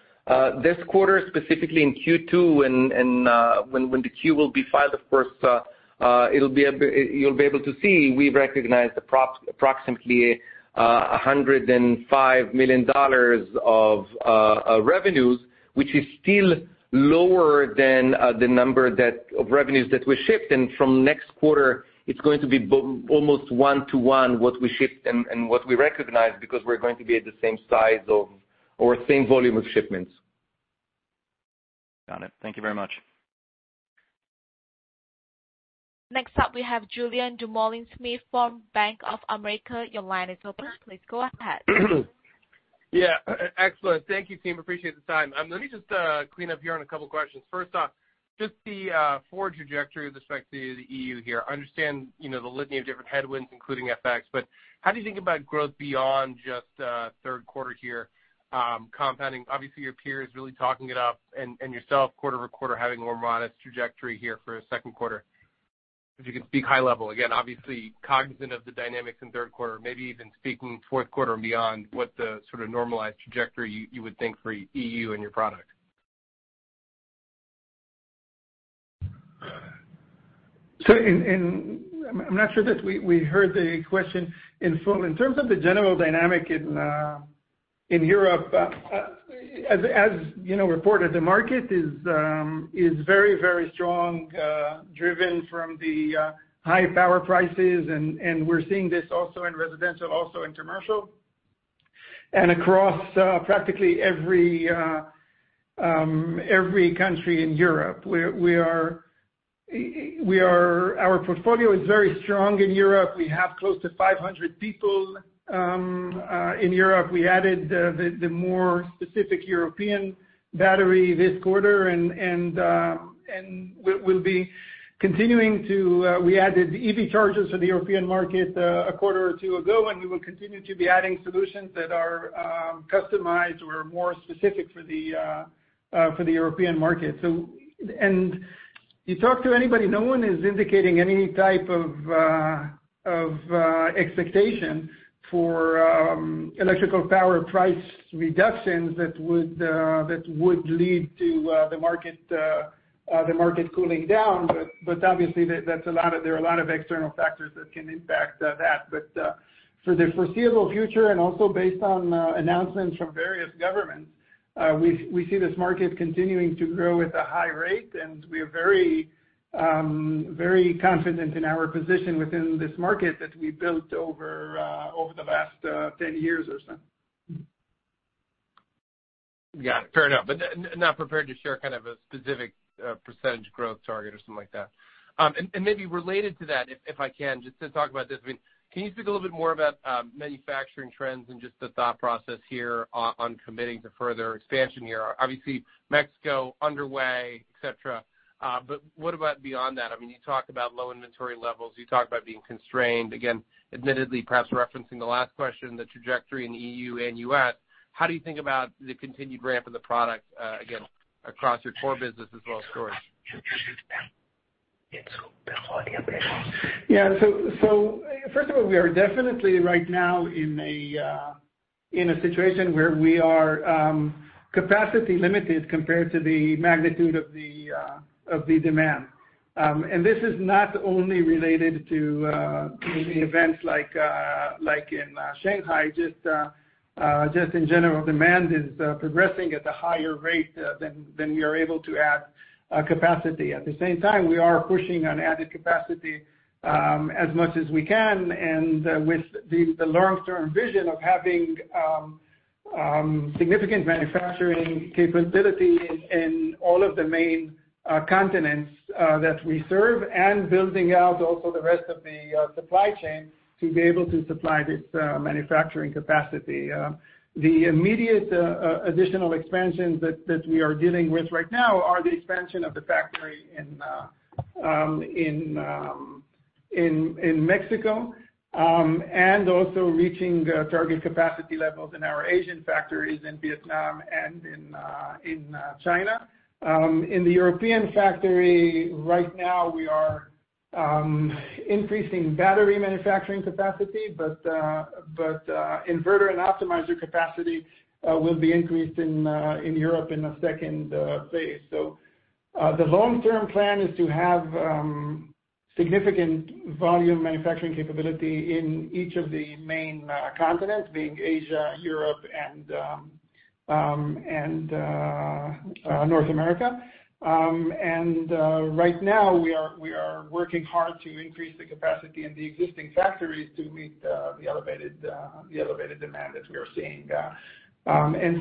This quarter, specifically in Q2 and when the Q will be filed, of course, you'll be able to see, we've recognized approximately $105 million of revenues, which is still lower than the number of revenues that we shipped. From next quarter, it's going to be almost 1 to 1 what we shipped and what we recognize because we're going to be at the same size or same volume of shipments. Got it. Thank you very much. Next up, we have Julien Dumoulin-Smith from Bank of America. Your line is open. Please go ahead. Excellent. Thank you, team. Appreciate the time. Let me just clean up here on a couple questions. First off, just the forward trajectory with respect to the EU here. I understand, you know, the litany of different headwinds, including FX. But how do you think about growth beyond just third quarter here, compounding? Obviously, your peer is really talking it up and yourself quarter over quarter having a more modest trajectory here for a second quarter. If you could speak high level. Again, obviously cognizant of the dynamics in third quarter, maybe even speaking fourth quarter and beyond, what the sort of normalized trajectory you would think for EU and your product. I'm not sure that we heard the question in full. In terms of the general dynamic in Europe, as you know, reported, the market is very strong, driven from the high power prices, and we're seeing this also in residential, also in commercial. Across practically every country in Europe, our portfolio is very strong in Europe. We have close to 500 people in Europe. We added the more specific European battery this quarter, and we'll be continuing to, we added EV chargers for the European market, a quarter or two ago, and we will continue to be adding solutions that are customized or more specific for the European market. You talk to anybody, no one is indicating any type of expectation for electrical power price reductions that would lead to the market cooling down. Obviously, there are a lot of external factors that can impact that. For the foreseeable future and also based on announcements from various governments, we see this market continuing to grow at a high rate, and we are very confident in our position within this market that we built over the last 10 years or so. Yeah, fair enough. Not prepared to share kind of a specific percentage growth target or something like that. Maybe related to that, if I can, just to talk about this, I mean, can you speak a little bit more about manufacturing trends and just the thought process here on committing to further expansion here? Obviously, Mexico underway, et cetera. What about beyond that? I mean, you talk about low inventory levels. You talk about being constrained. Again, admittedly, perhaps referencing the last question, the trajectory in EU and U.S.. How do you think about the continued ramp of the product, again, across your core business as well as storage? Yeah. First of all, we are definitely right now in a situation where we are capacity limited compared to the magnitude of the demand. This is not only related to the events like in Shanghai, just in general, demand is progressing at a higher rate than we are able to add capacity. At the same time, we are pushing on added capacity as much as we can and with the long-term vision of having significant manufacturing capability in all of the main continents that we serve and building out also the rest of the supply chain to be able to supply this manufacturing capacity. The immediate additional expansions that we are dealing with right now are the expansion of the factory in Mexico and also reaching the target capacity levels in our Asian factories in Vietnam and in China. In the European factory right now, we are increasing battery manufacturing capacity, but inverter and optimizer capacity will be increased in Europe in the phase II. The long-term plan is to have significant volume manufacturing capability in each of the main continents, being Asia, Europe and North America. Right now we are working hard to increase the capacity in the existing factories to meet the elevated demand that we are seeing.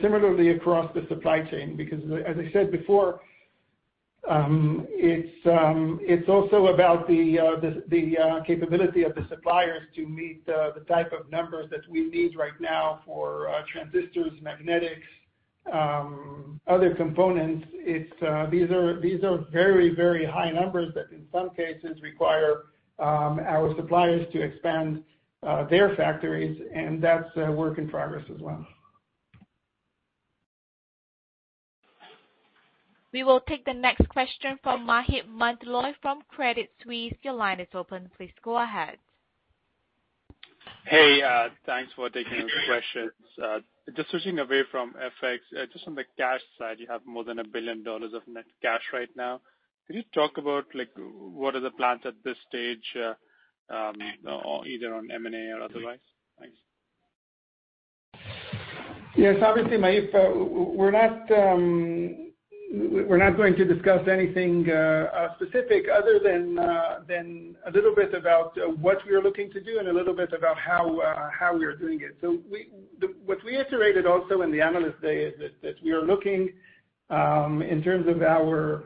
Similarly across the supply chain, because as I said before, it's also about the capability of the suppliers to meet the type of numbers that we need right now for transistors, magnetics, other components. These are very high numbers that in some cases require our suppliers to expand their factories, and that's a work in progress as well. We will take the next question from Maheep Mandloi from Credit Suisse. Your line is open. Please go ahead. Hey, thanks for taking the questions. Just switching away from FX, just on the cash side, you have more than $1 billion of net cash right now. Can you talk about like what are the plans at this stage, either on M&A or otherwise? Thanks. Yes. Obviously, Maheep, we're not going to discuss anything specific other than a little bit about what we are looking to do and a little bit about how we are doing it. What we iterated also in the Analyst Day is that we are looking in terms of our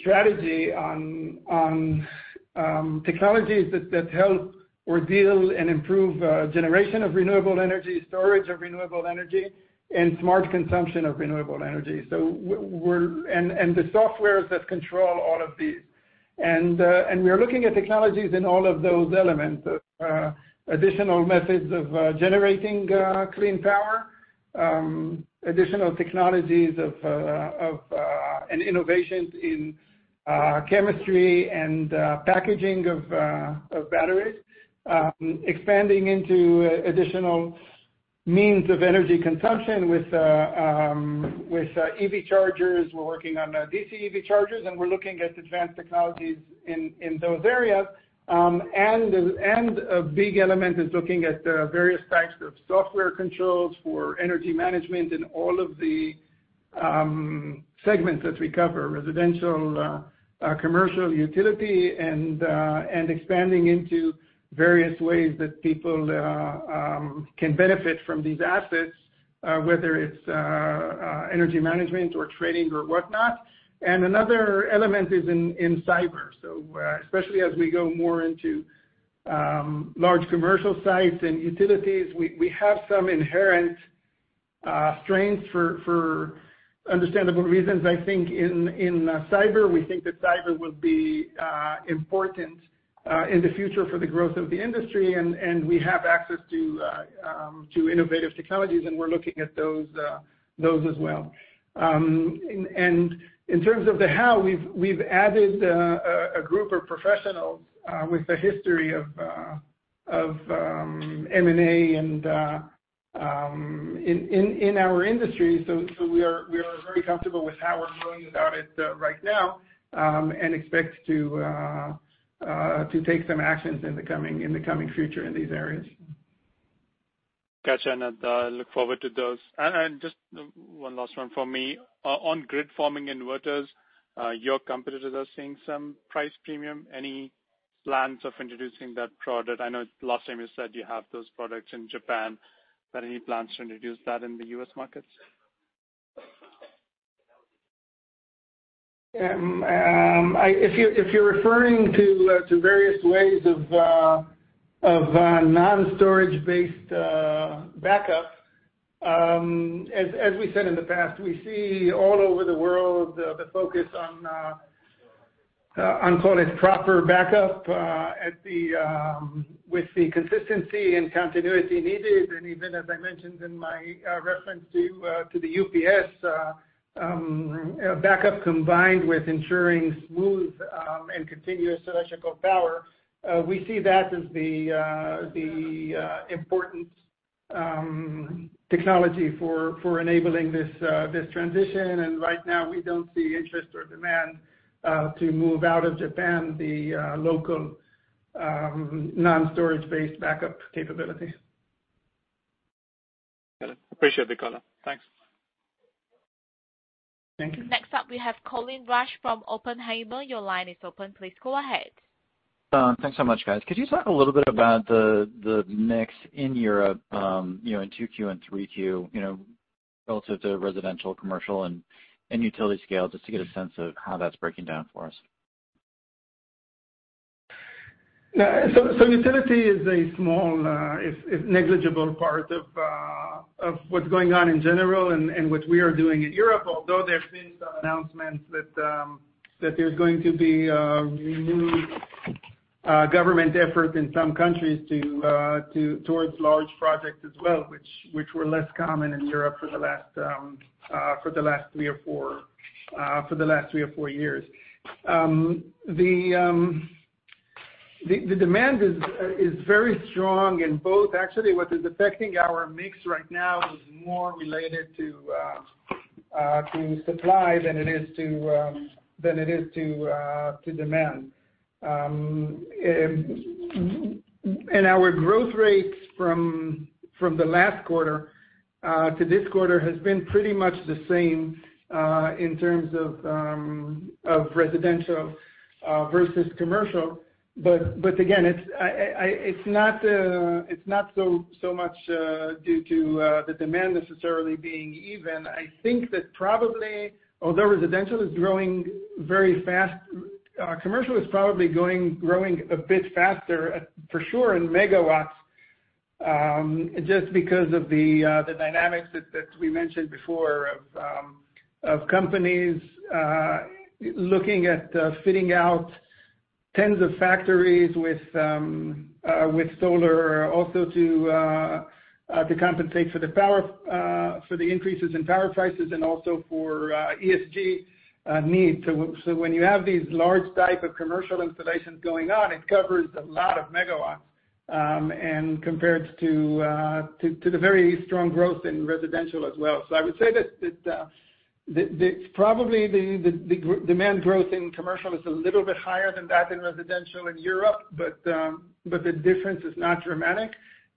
strategy on technologies that help reveal and improve generation of renewable energy, storage of renewable energy, and smart consumption of renewable energy. The softwares that control all of these. We are looking at technologies in all of those elements. Additional methods of generating clean power. Additional technologies of and innovations in chemistry and packaging of batteries. Expanding into additional means of energy consumption with EV chargers. We're working on DC EV chargers, and we're looking at advanced technologies in those areas. A big element is looking at various types of software controls for energy management in all of the segments that we cover, residential, commercial, utility and expanding into various ways that people can benefit from these assets, whether it's energy management or trading or whatnot. Another element is in cyber. Especially as we go more into large commercial sites and utilities, we have some inherent strengths for understandable reasons. I think in cyber, we think that cyber will be important in the future for the growth of the industry. We have access to innovative technologies, and we're looking at those as well. In terms of the how, we've added a group of professionals with a history of M&A and in our industry. We are very comfortable with how we're going about it right now and expect to take some actions in the coming future in these areas. Got you. Look forward to those. Just one last one for me. On grid forming inverters, your competitors are seeing some price premium. Any plans of introducing that product? I know last time you said you have those products in Japan, but any plans to introduce that in the U.S. markets? If you're referring to various ways of non-storage-based backup, as we said in the past, we see all over the world the focus on calling proper backup at the with the consistency and continuity needed. Even as I mentioned in my reference to the UPS backup combined with ensuring smooth and continuous electrical power, we see that as the important technology for enabling this transition. Right now we don't see interest or demand to move out of Japan, the local non-storage-based backup capabilities. Got it. Appreciate the color. Thanks. Thank you. Next up, we have Colin Rusch from Oppenheimer. Your line is open. Please go ahead. Thanks so much, guys. Could you talk a little bit about the mix in Europe, you know, in 2Q and 3Q, you know, relative to residential, commercial, and utility scale, just to get a sense of how that's breaking down for us? Utility is a small, it's negligible part of what's going on in general and what we are doing in Europe. Although there have been some announcements that there's going to be renewed government effort in some countries towards large projects as well, which were less common in Europe for the last three or four years. The demand is very strong in both. Actually, what is affecting our mix right now is more related to supply than it is to demand. Our growth rates from the last quarter to this quarter has been pretty much the same in terms of residential versus commercial. Again, it's not so much due to the demand necessarily being even. I think that probably, although residential is growing very fast, commercial is probably growing a bit faster, for sure in megawatts, just because of the dynamics that we mentioned before of companies looking at fitting out tens of factories with solar also to compensate for the increases in power prices and also for ESG needs. When you have these large type of commercial installations going on, it covers a lot of megawatts, and compared to the very strong growth in residential as well. I would say that probably the demand growth in commercial is a little bit higher than that in residential in Europe, but the difference is not dramatic.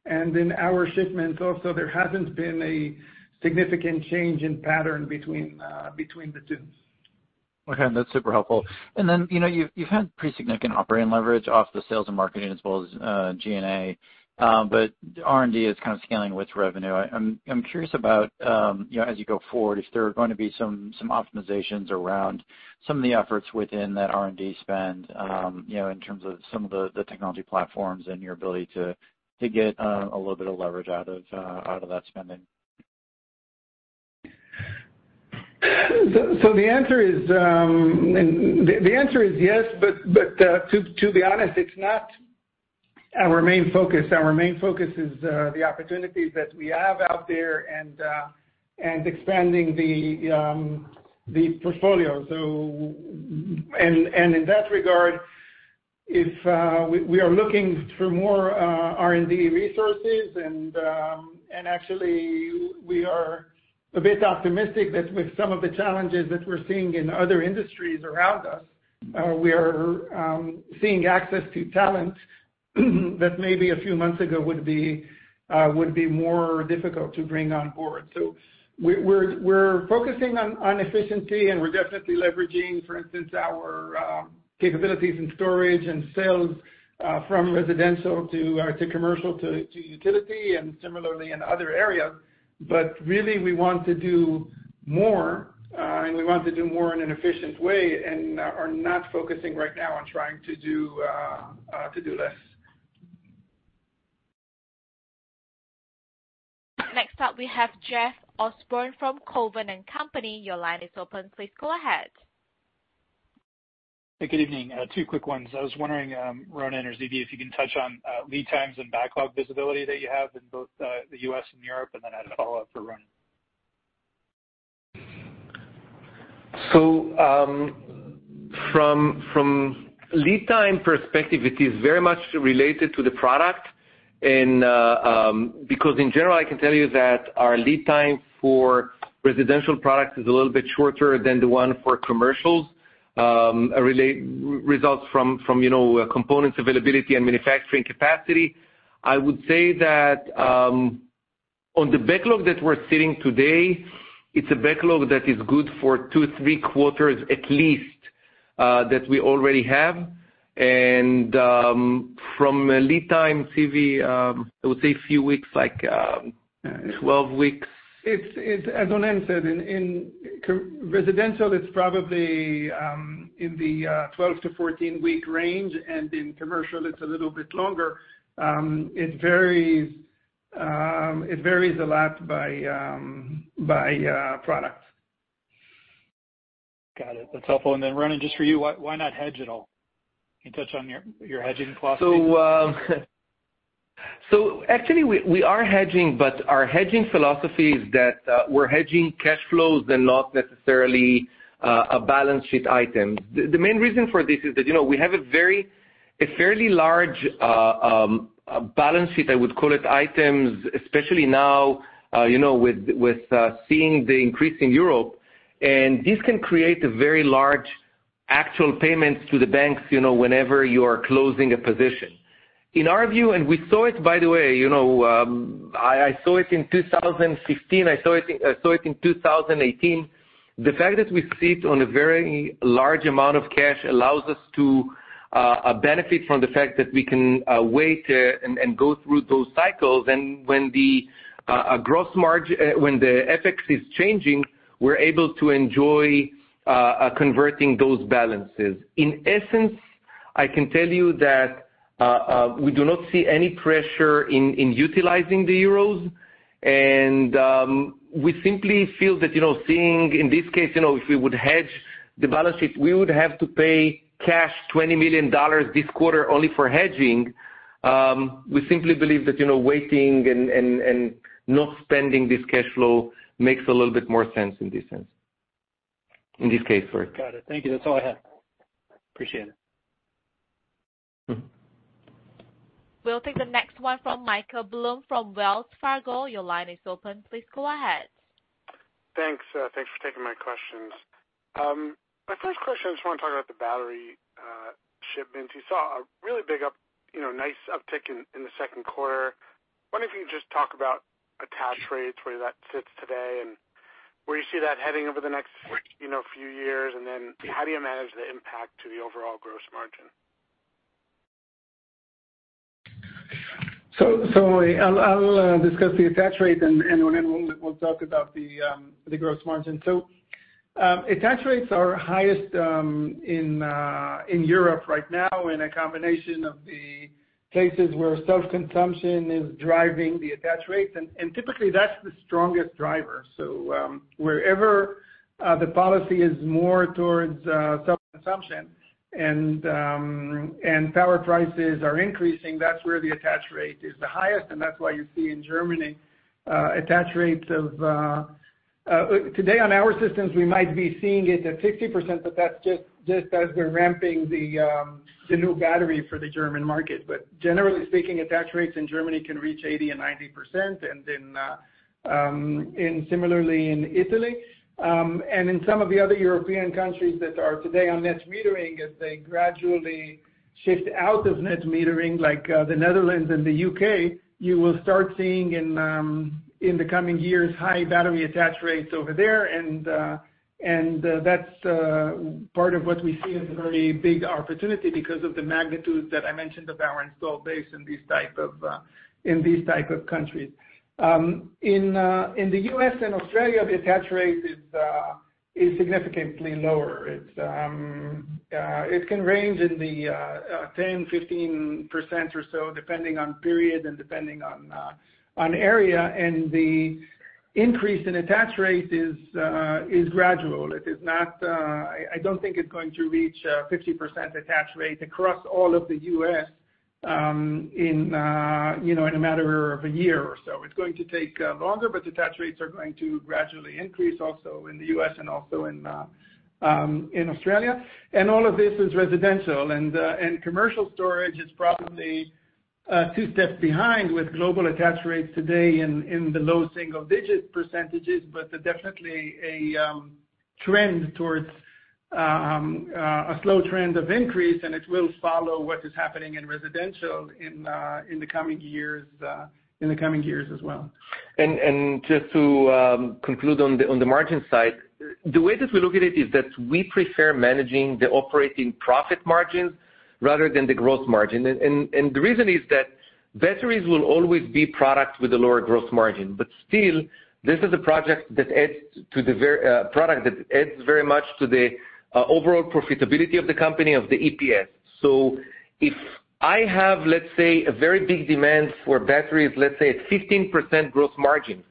In our shipments also, there hasn't been a significant change in pattern between the two. Okay, that's super helpful. Then, you know, you've had pretty significant operating leverage off the sales and marketing as well as G&A. R&D is kind of scaling with revenue. I'm curious about, you know, as you go forward, if there are going to be some optimizations around some of the efforts within that R&D spend, you know, in terms of some of the technology platforms and your ability to get a little bit of leverage out of that spending. The answer is yes, but to be honest, it's not our main focus. Our main focus is the opportunities that we have out there and expanding the portfolio. In that regard, we are looking for more R&D resources and actually we are a bit optimistic that with some of the challenges that we're seeing in other industries around us, we are seeing access to talent that maybe a few months ago would be more difficult to bring on board. We're focusing on efficiency, and we're definitely leveraging, for instance, our capabilities in storage and sales from residential to commercial to utility and similarly in other areas. Really we want to do more, and we want to do more in an efficient way and are not focusing right now on trying to do less. Next up, we have Jeff Osborne from Cowen and Company. Your line is open. Please go ahead. Hey, good evening. Two quick ones. I was wondering, Ronen or Zvi, if you can touch on lead times and backlog visibility that you have in both the U.S. and Europe, and then I had a follow-up for Ronen. From lead time perspective, it is very much related to the product and because in general, I can tell you that our lead time for residential products is a little bit shorter than the one for commercial, results from you know, components availability and manufacturing capacity. I would say that on the backlog that we're sitting on today, it's a backlog that is good for two-three quarters at least that we already have. From a lead time, Zvi, I would say a few weeks, like 12 weeks. As Ronen said, in residential, it's probably in the 12-14 week range, and in commercial it's a little bit longer. It varies a lot by product. Got it. That's helpful. Ronen, just for you, why not hedge at all? Can you touch on your hedging philosophy? Actually we are hedging, but our hedging philosophy is that we're hedging cash flows and not necessarily a balance sheet item. The main reason for this is that, you know, we have a fairly large balance sheet, I would call it, items, especially now, you know, with seeing the increase in Europe, and this can create a very large actual payments to the banks, you know, whenever you are closing a position. In our view, and we saw it by the way, you know, I saw it in 2015, I saw it in 2018. The fact that we sit on a very large amount of cash allows us to benefit from the fact that we can wait and go through those cycles. When the FX is changing, we're able to enjoy converting those balances. In essence, I can tell you that we do not see any pressure in utilizing the euros and we simply feel that, you know, seeing in this case, you know, if we would hedge the balance sheet, we would have to pay $20 million this quarter only for hedging. We simply believe that, you know, waiting and not spending this cash flow makes a little bit more sense in this sense, in this case for it. Got it. Thank you. That's all I have. Appreciate it. Mm-hmm. We'll take the next one from Michael Blum from Wells Fargo. Your line is open. Please go ahead. Thanks. Thanks for taking my questions. My first question, I just want to talk about the battery shipments. You saw a really big up, you know, nice uptick in the second quarter. Wonder if you can just talk about attach rates, where that sits today and where you see that heading over the next, you know, few years. How do you manage the impact to the overall gross margin? I'll discuss the attach rate and Ronen will talk about the gross margin. Attach rates are highest in Europe right now in a combination of the cases where self-consumption is driving the attach rates and typically that's the strongest driver. Wherever the policy is more towards self-consumption and power prices are increasing, that's where the attach rate is the highest, and that's why you see in Germany attach rates of today on our systems, we might be seeing it at 50%, but that's just as we're ramping the new battery for the German market. Generally speaking, attach rates in Germany can reach 80% and 90% and then similarly in Italy. In some of the other European countries that are today on net metering, as they gradually shift out of net metering like the Netherlands and the U.K., you will start seeing in the coming years high battery attach rates over there. That's part of what we see as a very big opportunity because of the magnitude that I mentioned of our installed base in these types of countries. In the U.S. and Australia, the attach rate is significantly lower. It can range in the 10%-15% or so, depending on period and area. The increase in attach rate is gradual. It is not. I don't think it's going to reach 50% attach rate across all of the U.S., you know, in a matter of a year or so. It's going to take longer, but attach rates are going to gradually increase also in the U.S. and also in Australia. All of this is residential. Commercial storage is probably two steps behind with global attach rates today in the low single-digit percentages, but definitely a trend towards a slow trend of increase, and it will follow what is happening in residential in the coming years as well. Just to conclude on the margin side, the way that we look at it is that we prefer managing the operating profit margins rather than the gross margin. The reason is that batteries will always be a product with a lower gross margin. Still, this is a product that adds very much to the overall profitability of the company, of the EPS. If I have, let's say, a very big demand for batteries, let's say at 15% gross margin,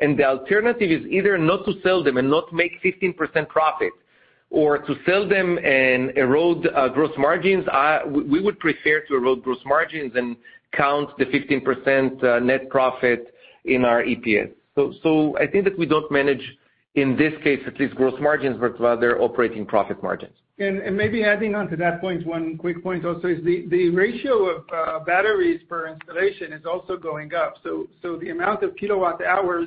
and the alternative is either not to sell them and not make 15% profit or to sell them and erode gross margins, we would prefer to erode gross margins than count the 15% net profit in our EPS. I think that we don't manage, in this case at least, growth margins, but rather operating profit margins. Maybe adding on to that point, one quick point also is the ratio of batteries per installation is also going up. The amount of kilowatt-hours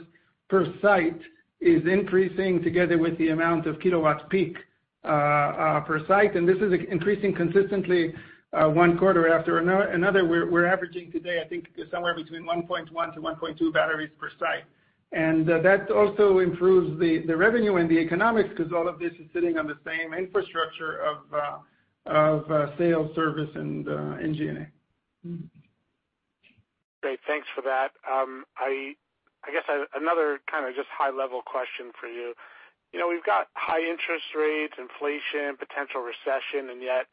per site is increasing together with the amount of kilowatts peak per site. This is increasing consistently, one quarter after another. We're averaging today, I think, somewhere between 1.1-1.2 batteries per site. That also improves the revenue and the economics 'cause all of this is sitting on the same infrastructure of sales, service and G&A. Great. Thanks for that. I guess another kind of just high level question for you. You know, we've got high interest rates, inflation, potential recession, and yet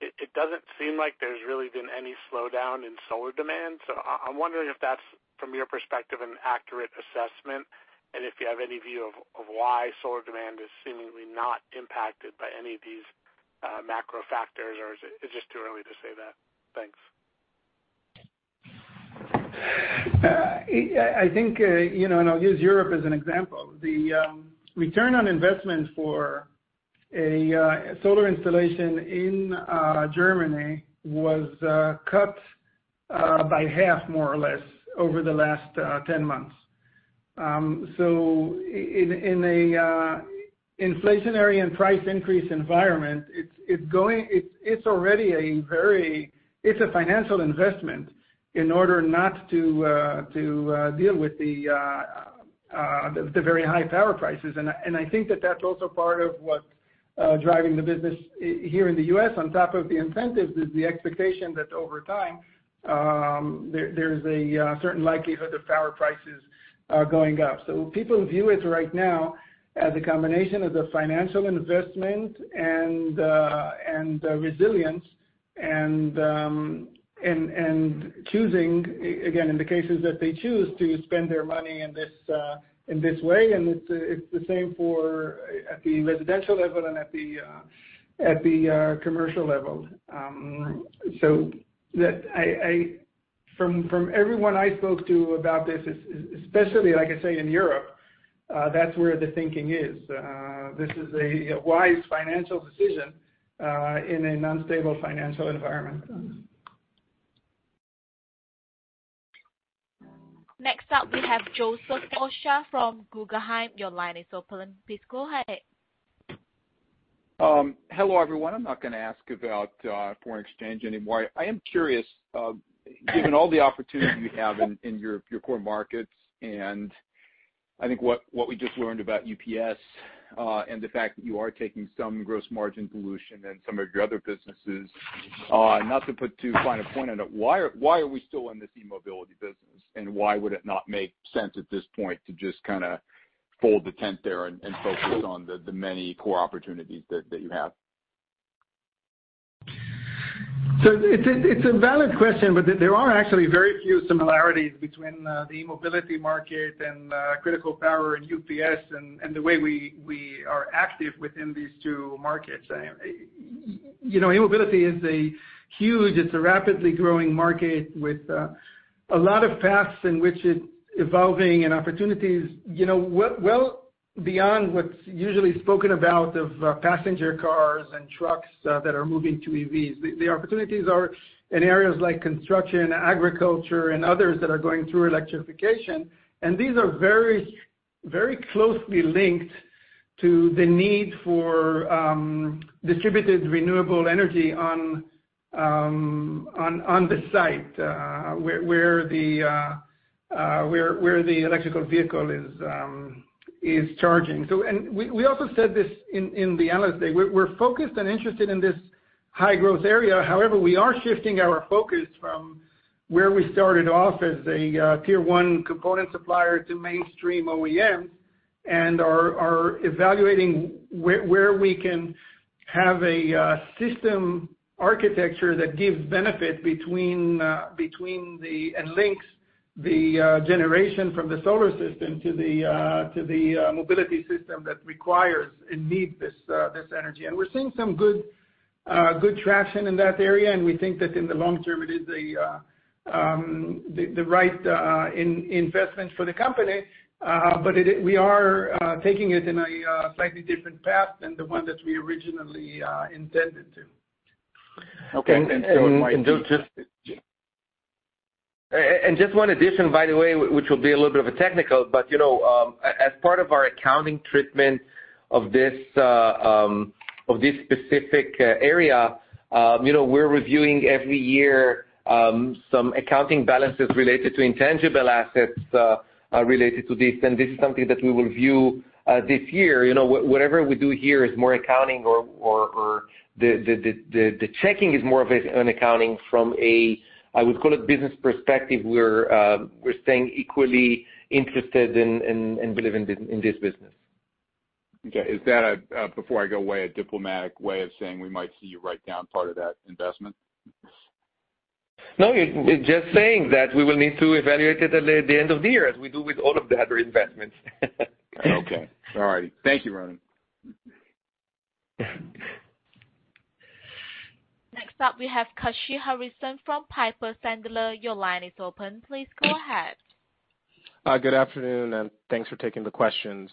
it doesn't seem like there's really been any slowdown in solar demand. I'm wondering if that's, from your perspective, an accurate assessment, and if you have any view of why solar demand is seemingly not impacted by any of these macro factors, or is it just too early to say that? Thanks. I think, you know, I'll use Europe as an example. The return on investment for a solar installation in Germany was cut by half more or less over the last 10 months. In a inflationary and price increase environment, it's a financial investment in order not to deal with the very high power prices. I think that that's also part of what's driving the business here in the U.S. on top of the incentives is the expectation that over time, there's a certain likelihood of power prices going up. People view it right now as a combination of the financial investment and resilience and choosing again in the cases that they choose to spend their money in this way, and it's the same for at the residential level and at the commercial level. From everyone I spoke to about this, especially, like I say, in Europe, that's where the thinking is. This is a wise financial decision in an unstable financial environment. Next up we have Joseph Osha from Guggenheim. Your line is open. Please go ahead. Hello, everyone. I'm not gonna ask about foreign exchange anymore. I am curious, given all the opportunities you have in your core markets, and I think what we just learned about UPS, and the fact that you are taking some gross margin dilution in some of your other businesses, not to put too fine a point on it, why are we still in this e-Mobility business, and why would it not make sense at this point to just kinda fold the tent there and focus on the many core opportunities that you have? It's a valid question, but there are actually very few similarities between the e-Mobility market and Critical Power and UPS and the way we are active within these two markets. You know, e-Mobility is a huge, it's a rapidly growing market with a lot of paths in which it's evolving and opportunities, you know, well beyond what's usually spoken about of passenger cars and trucks that are moving to EVs. The opportunities are in areas like construction, agriculture and others that are going through electrification. These are very closely linked to the need for distributed renewable energy on the site where the electric vehicle is charging. We also said this in the Analyst Day. We're focused and interested in this high growth area. However, we are shifting our focus from where we started off as a tier one component supplier to mainstream OEMs and are evaluating where we can have a system architecture that gives benefit and links the generation from the solar system to the mobility system that requires and needs this energy. We're seeing some good traction in that area. We think that in the long term it is the right investment for the company. It is. We are taking it in a slightly different path than the one that we originally intended to. Okay. Just one addition by the way, which will be a little bit of a technical. You know, as part of our accounting treatment of this specific area, you know, we're reviewing every year some accounting balances related to intangible assets related to this. This is something that we will review this year. You know, whatever we do here is more accounting or the checking is more of an accounting from a, I would call it business perspective. We're staying equally interested and believe in this business. Okay. Is that a diplomatic way of saying we might see you write down part of that investment? No, it's just saying that we will need to evaluate it at the end of the year as we do with all of the other investments. Okay. All right. Thank you, Ronen. Next up we have Kashy Harrison from Piper Sandler. Your line is open. Please go ahead. Good afternoon, and thanks for taking the questions.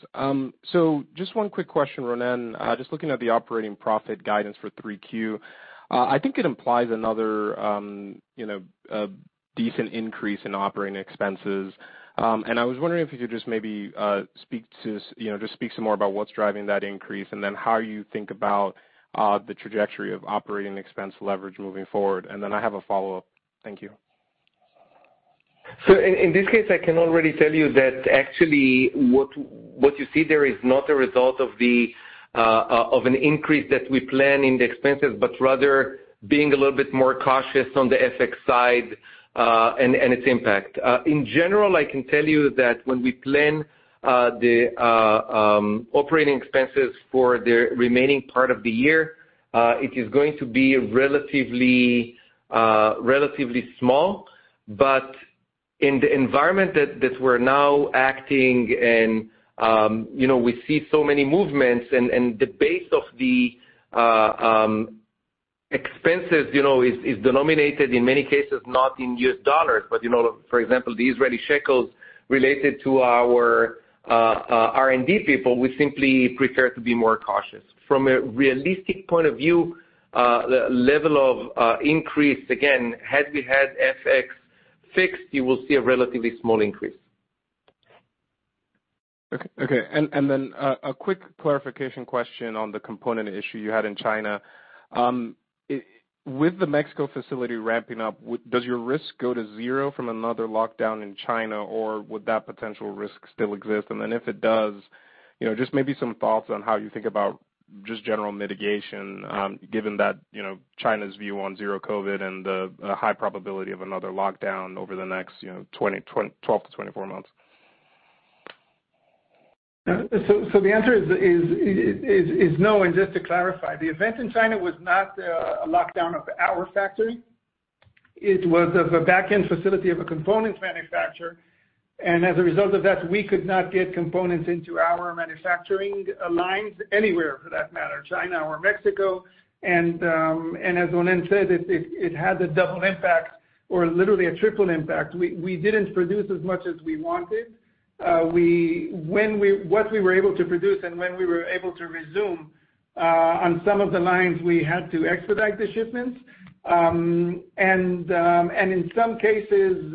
Just one quick question, Ronen. Just looking at the operating profit guidance for 3Q. I think it implies another, you know, a decent increase in operating expenses. I was wondering if you could just maybe speak to, you know, just speak some more about what's driving that increase, and then how you think about the trajectory of operating expense leverage moving forward. I have a follow-up. Thank you. In this case, I can already tell you that actually what you see there is not a result of an increase that we plan in the expenses, but rather being a little bit more cautious on the FX side, and its impact. In general, I can tell you that when we plan the operating expenses for the remaining part of the year, it is going to be relatively small. In the environment that we're now acting and you know, we see so many movements and the base of the expenses, you know, is denominated in many cases, not in U.S. dollars, but you know, for example, the Israeli shekels related to our R&D people, we simply prefer to be more cautious. From a realistic point of view, the level of increase, again, had we had FX fixed, you will see a relatively small increase. Okay. A quick clarification question on the component issue you had in China. With the Mexico facility ramping up, does your risk go to zero from another lockdown in China, or would that potential risk still exist? If it does, you know, just maybe some thoughts on how you think about just general mitigation, given that, you know, China's view on zero COVID and the high probability of another lockdown over the next, you know, 12-24 months. The answer is no. Just to clarify, the event in China was not a lockdown of our factory. It was a backend facility of a components manufacturer. As a result of that, we could not get components into our manufacturing lines anywhere for that matter, China or Mexico. As Ronen said, it had a double impact or literally a triple impact. We didn't produce as much as we wanted. What we were able to produce and when we were able to resume on some of the lines, we had to expedite the shipments. In some cases,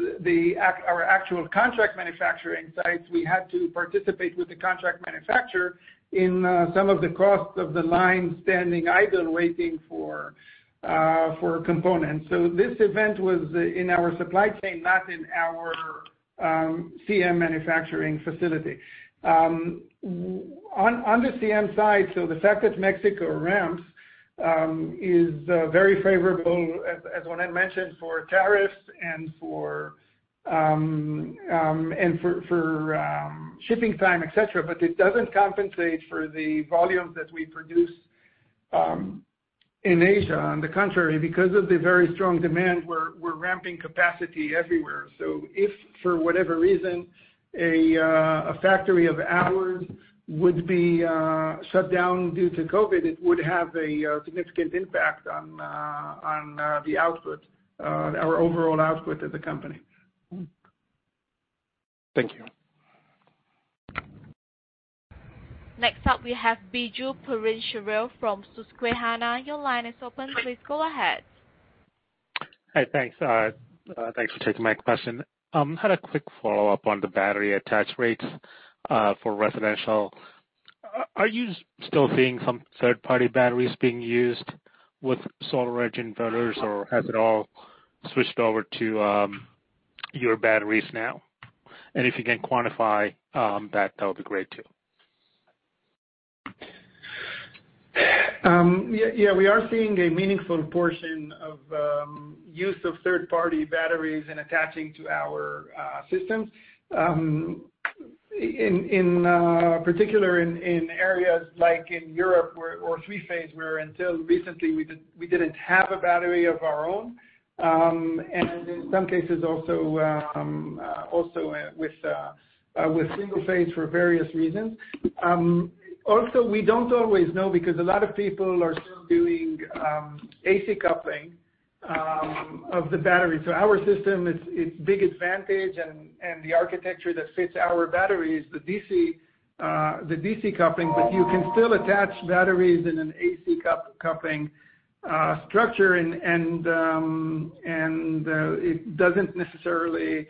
our actual contract manufacturing sites, we had to participate with the contract manufacturer in some of the costs of the line standing idle waiting for components. This event was in our supply chain, not in our CM manufacturing facility. On the CM side, the fact that Mexico ramps is very favorable, as Ronen mentioned, for tariffs and for shipping time, et cetera, but it doesn't compensate for the volumes that we produce in Asia. On the contrary, because of the very strong demand, we're ramping capacity everywhere. If for whatever reason a factory of ours would be shut down due to COVID, it would have a significant impact on our overall output of the company. Thank you. Next up we have Biju Perincheril from Susquehanna. Your line is open, please go ahead. Hi, thanks. Thanks for taking my question. Had a quick follow-up on the battery attach rates for residential. Are you still seeing some third-party batteries being used with SolarEdge inverters, or has it all switched over to your batteries now? If you can quantify that would be great too. We are seeing a meaningful portion of use of third-party batteries in attaching to our systems. In particular, in areas like Europe or three-phase, where until recently we didn't have a battery of our own. In some cases also with single-phase for various reasons. Also, we don't always know because a lot of people are still doing AC coupling of the battery. Our system, its big advantage and the architecture that fits our battery is the DC coupling. You can still attach batteries in an AC coupling structure and it doesn't necessarily,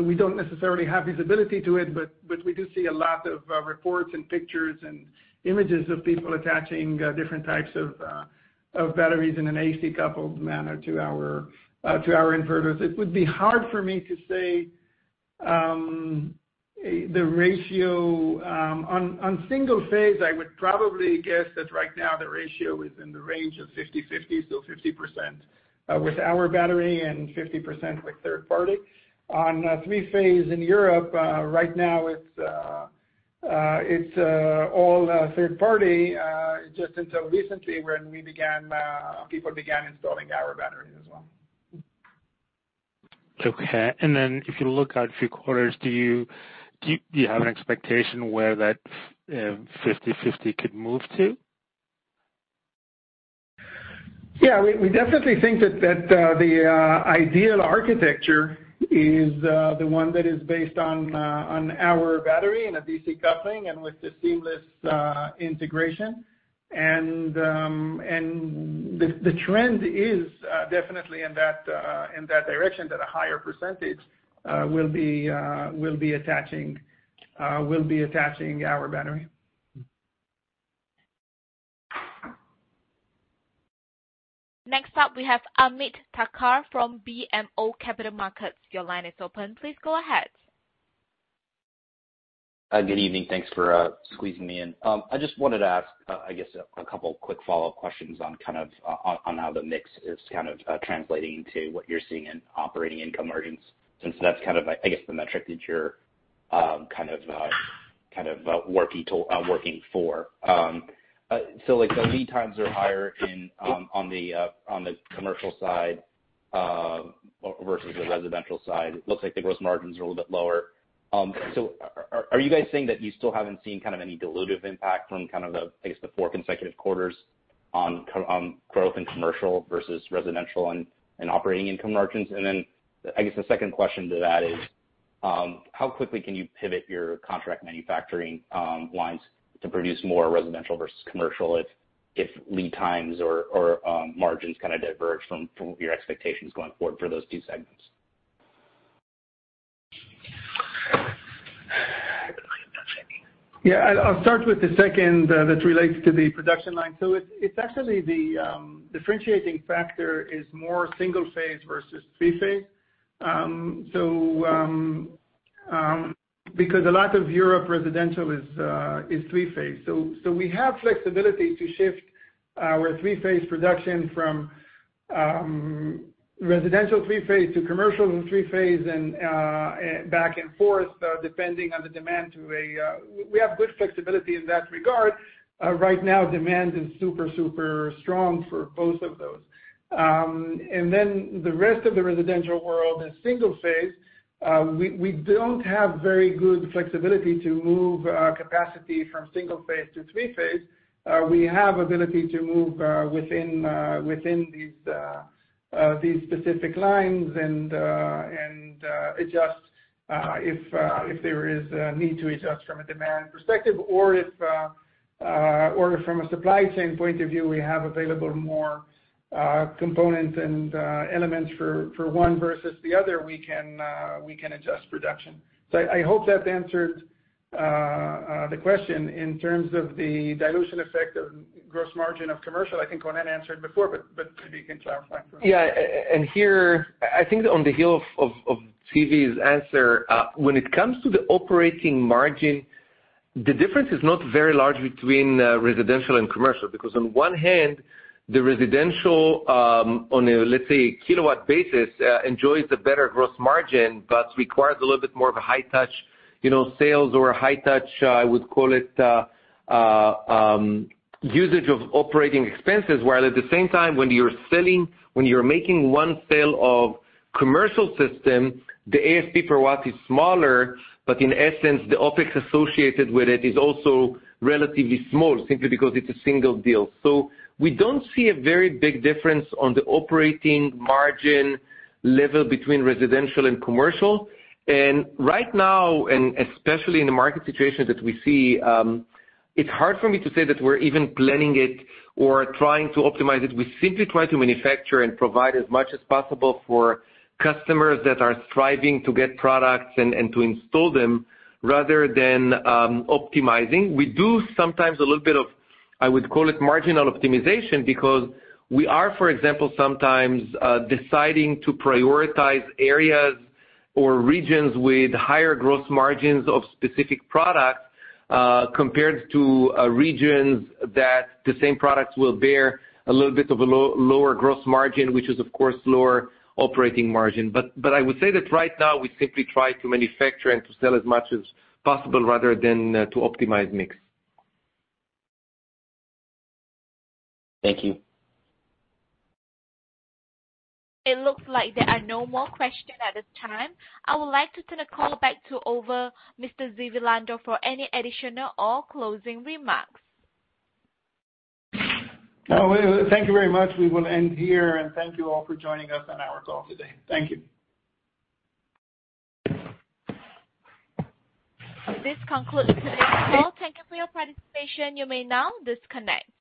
we don't necessarily have visibility to it, but we do see a lot of reports and pictures and images of people attaching different types of batteries in an AC coupled manner to our inverters. It would be hard for me to say the ratio. On single-phase, I would probably guess that right now the ratio is in the range of 50/50, so 50% with our battery and 50% with third-party. On three-phase in Europe, right now it's all third-party, just until recently when people began installing our batteries as well. Okay. If you look out a few quarters, do you have an expectation where that 50/50 could move to? Yeah. We definitely think that the ideal architecture is the one that is based on our battery and a DC coupling and with the seamless integration. The trend is definitely in that direction, that a higher percentage will be attaching our battery. Next up, we have Ameet Thakkar from BMO Capital Markets. Your line is open. Please go ahead. Good evening. Thanks for squeezing me in. I just wanted to ask, I guess a couple quick follow-up questions on how the mix is kind of translating to what you're seeing in operating income margins since that's kind of, I guess the metric that you're kind of working for. So like the lead times are higher on the commercial side versus the residential side. Looks like the gross margins are a little bit lower. Are you guys saying that you still haven't seen kind of any dilutive impact from kind of the, I guess, the four consecutive quarters on growth in commercial versus residential and operating income margins? I guess the second question to that is, how quickly can you pivot your contract manufacturing lines to produce more residential versus commercial if lead times or margins kind of diverge from your expectations going forward for those two segments? I'll start with the second that relates to the production line. It's actually the differentiating factor is more single-phase versus three-phase. Because a lot of European residential is three-phase. We have flexibility to shift our three-phase production from residential three-phase to commercial three-phase and back and forth depending on the demand. We have good flexibility in that regard. Right now demand is super strong for both of those. And then the rest of the residential world is single-phase. We don't have very good flexibility to move capacity from single-phase to three-phase. We have ability to move within these specific lines and adjust if there is a need to adjust from a demand perspective or from a supply chain point of view, we have available more components and elements for one versus the other, we can adjust production. I hope that answered the question. In terms of the dilution effect of gross margin of commercial, I think Ronen answered before, but maybe you can clarify. I think on the heels of Zvi's answer, when it comes to the operating margin, the difference is not very large between residential and commercial, because on one hand, the residential on a, let's say, kilowatt basis enjoys the better gross margin, but requires a little bit more of a high touch, you know, sales or a high touch I would call it usage of operating expenses. While at the same time, when you're selling, when you're making one sale of commercial system, the ASP per watt is smaller, but in essence, the OpEx associated with it is also relatively small simply because it is a single deal. We don't see a very big difference on the operating margin level between residential and commercial. Right now, especially in the market situation that we see, it's hard for me to say that we're even planning it or trying to optimize it. We simply try to manufacture and provide as much as possible for customers that are striving to get products and to install them rather than optimizing. We do sometimes a little bit of, I would call it marginal optimization, because we are, for example, sometimes deciding to prioritize areas or regions with higher gross margins of specific products compared to regions that the same products will bear a little bit of a lower gross margin, which is of course lower operating margin. I would say that right now we simply try to manufacture and to sell as much as possible rather than to optimize mix. Thank you. It looks like there are no more questions at this time. I would like to turn the call back over to Mr. Zvi Lando for any additional or closing remarks. No. Thank you very much. We will end here, and thank you all for joining us on our call today. Thank you. This concludes today's call. Thank you for your participation. You may now disconnect.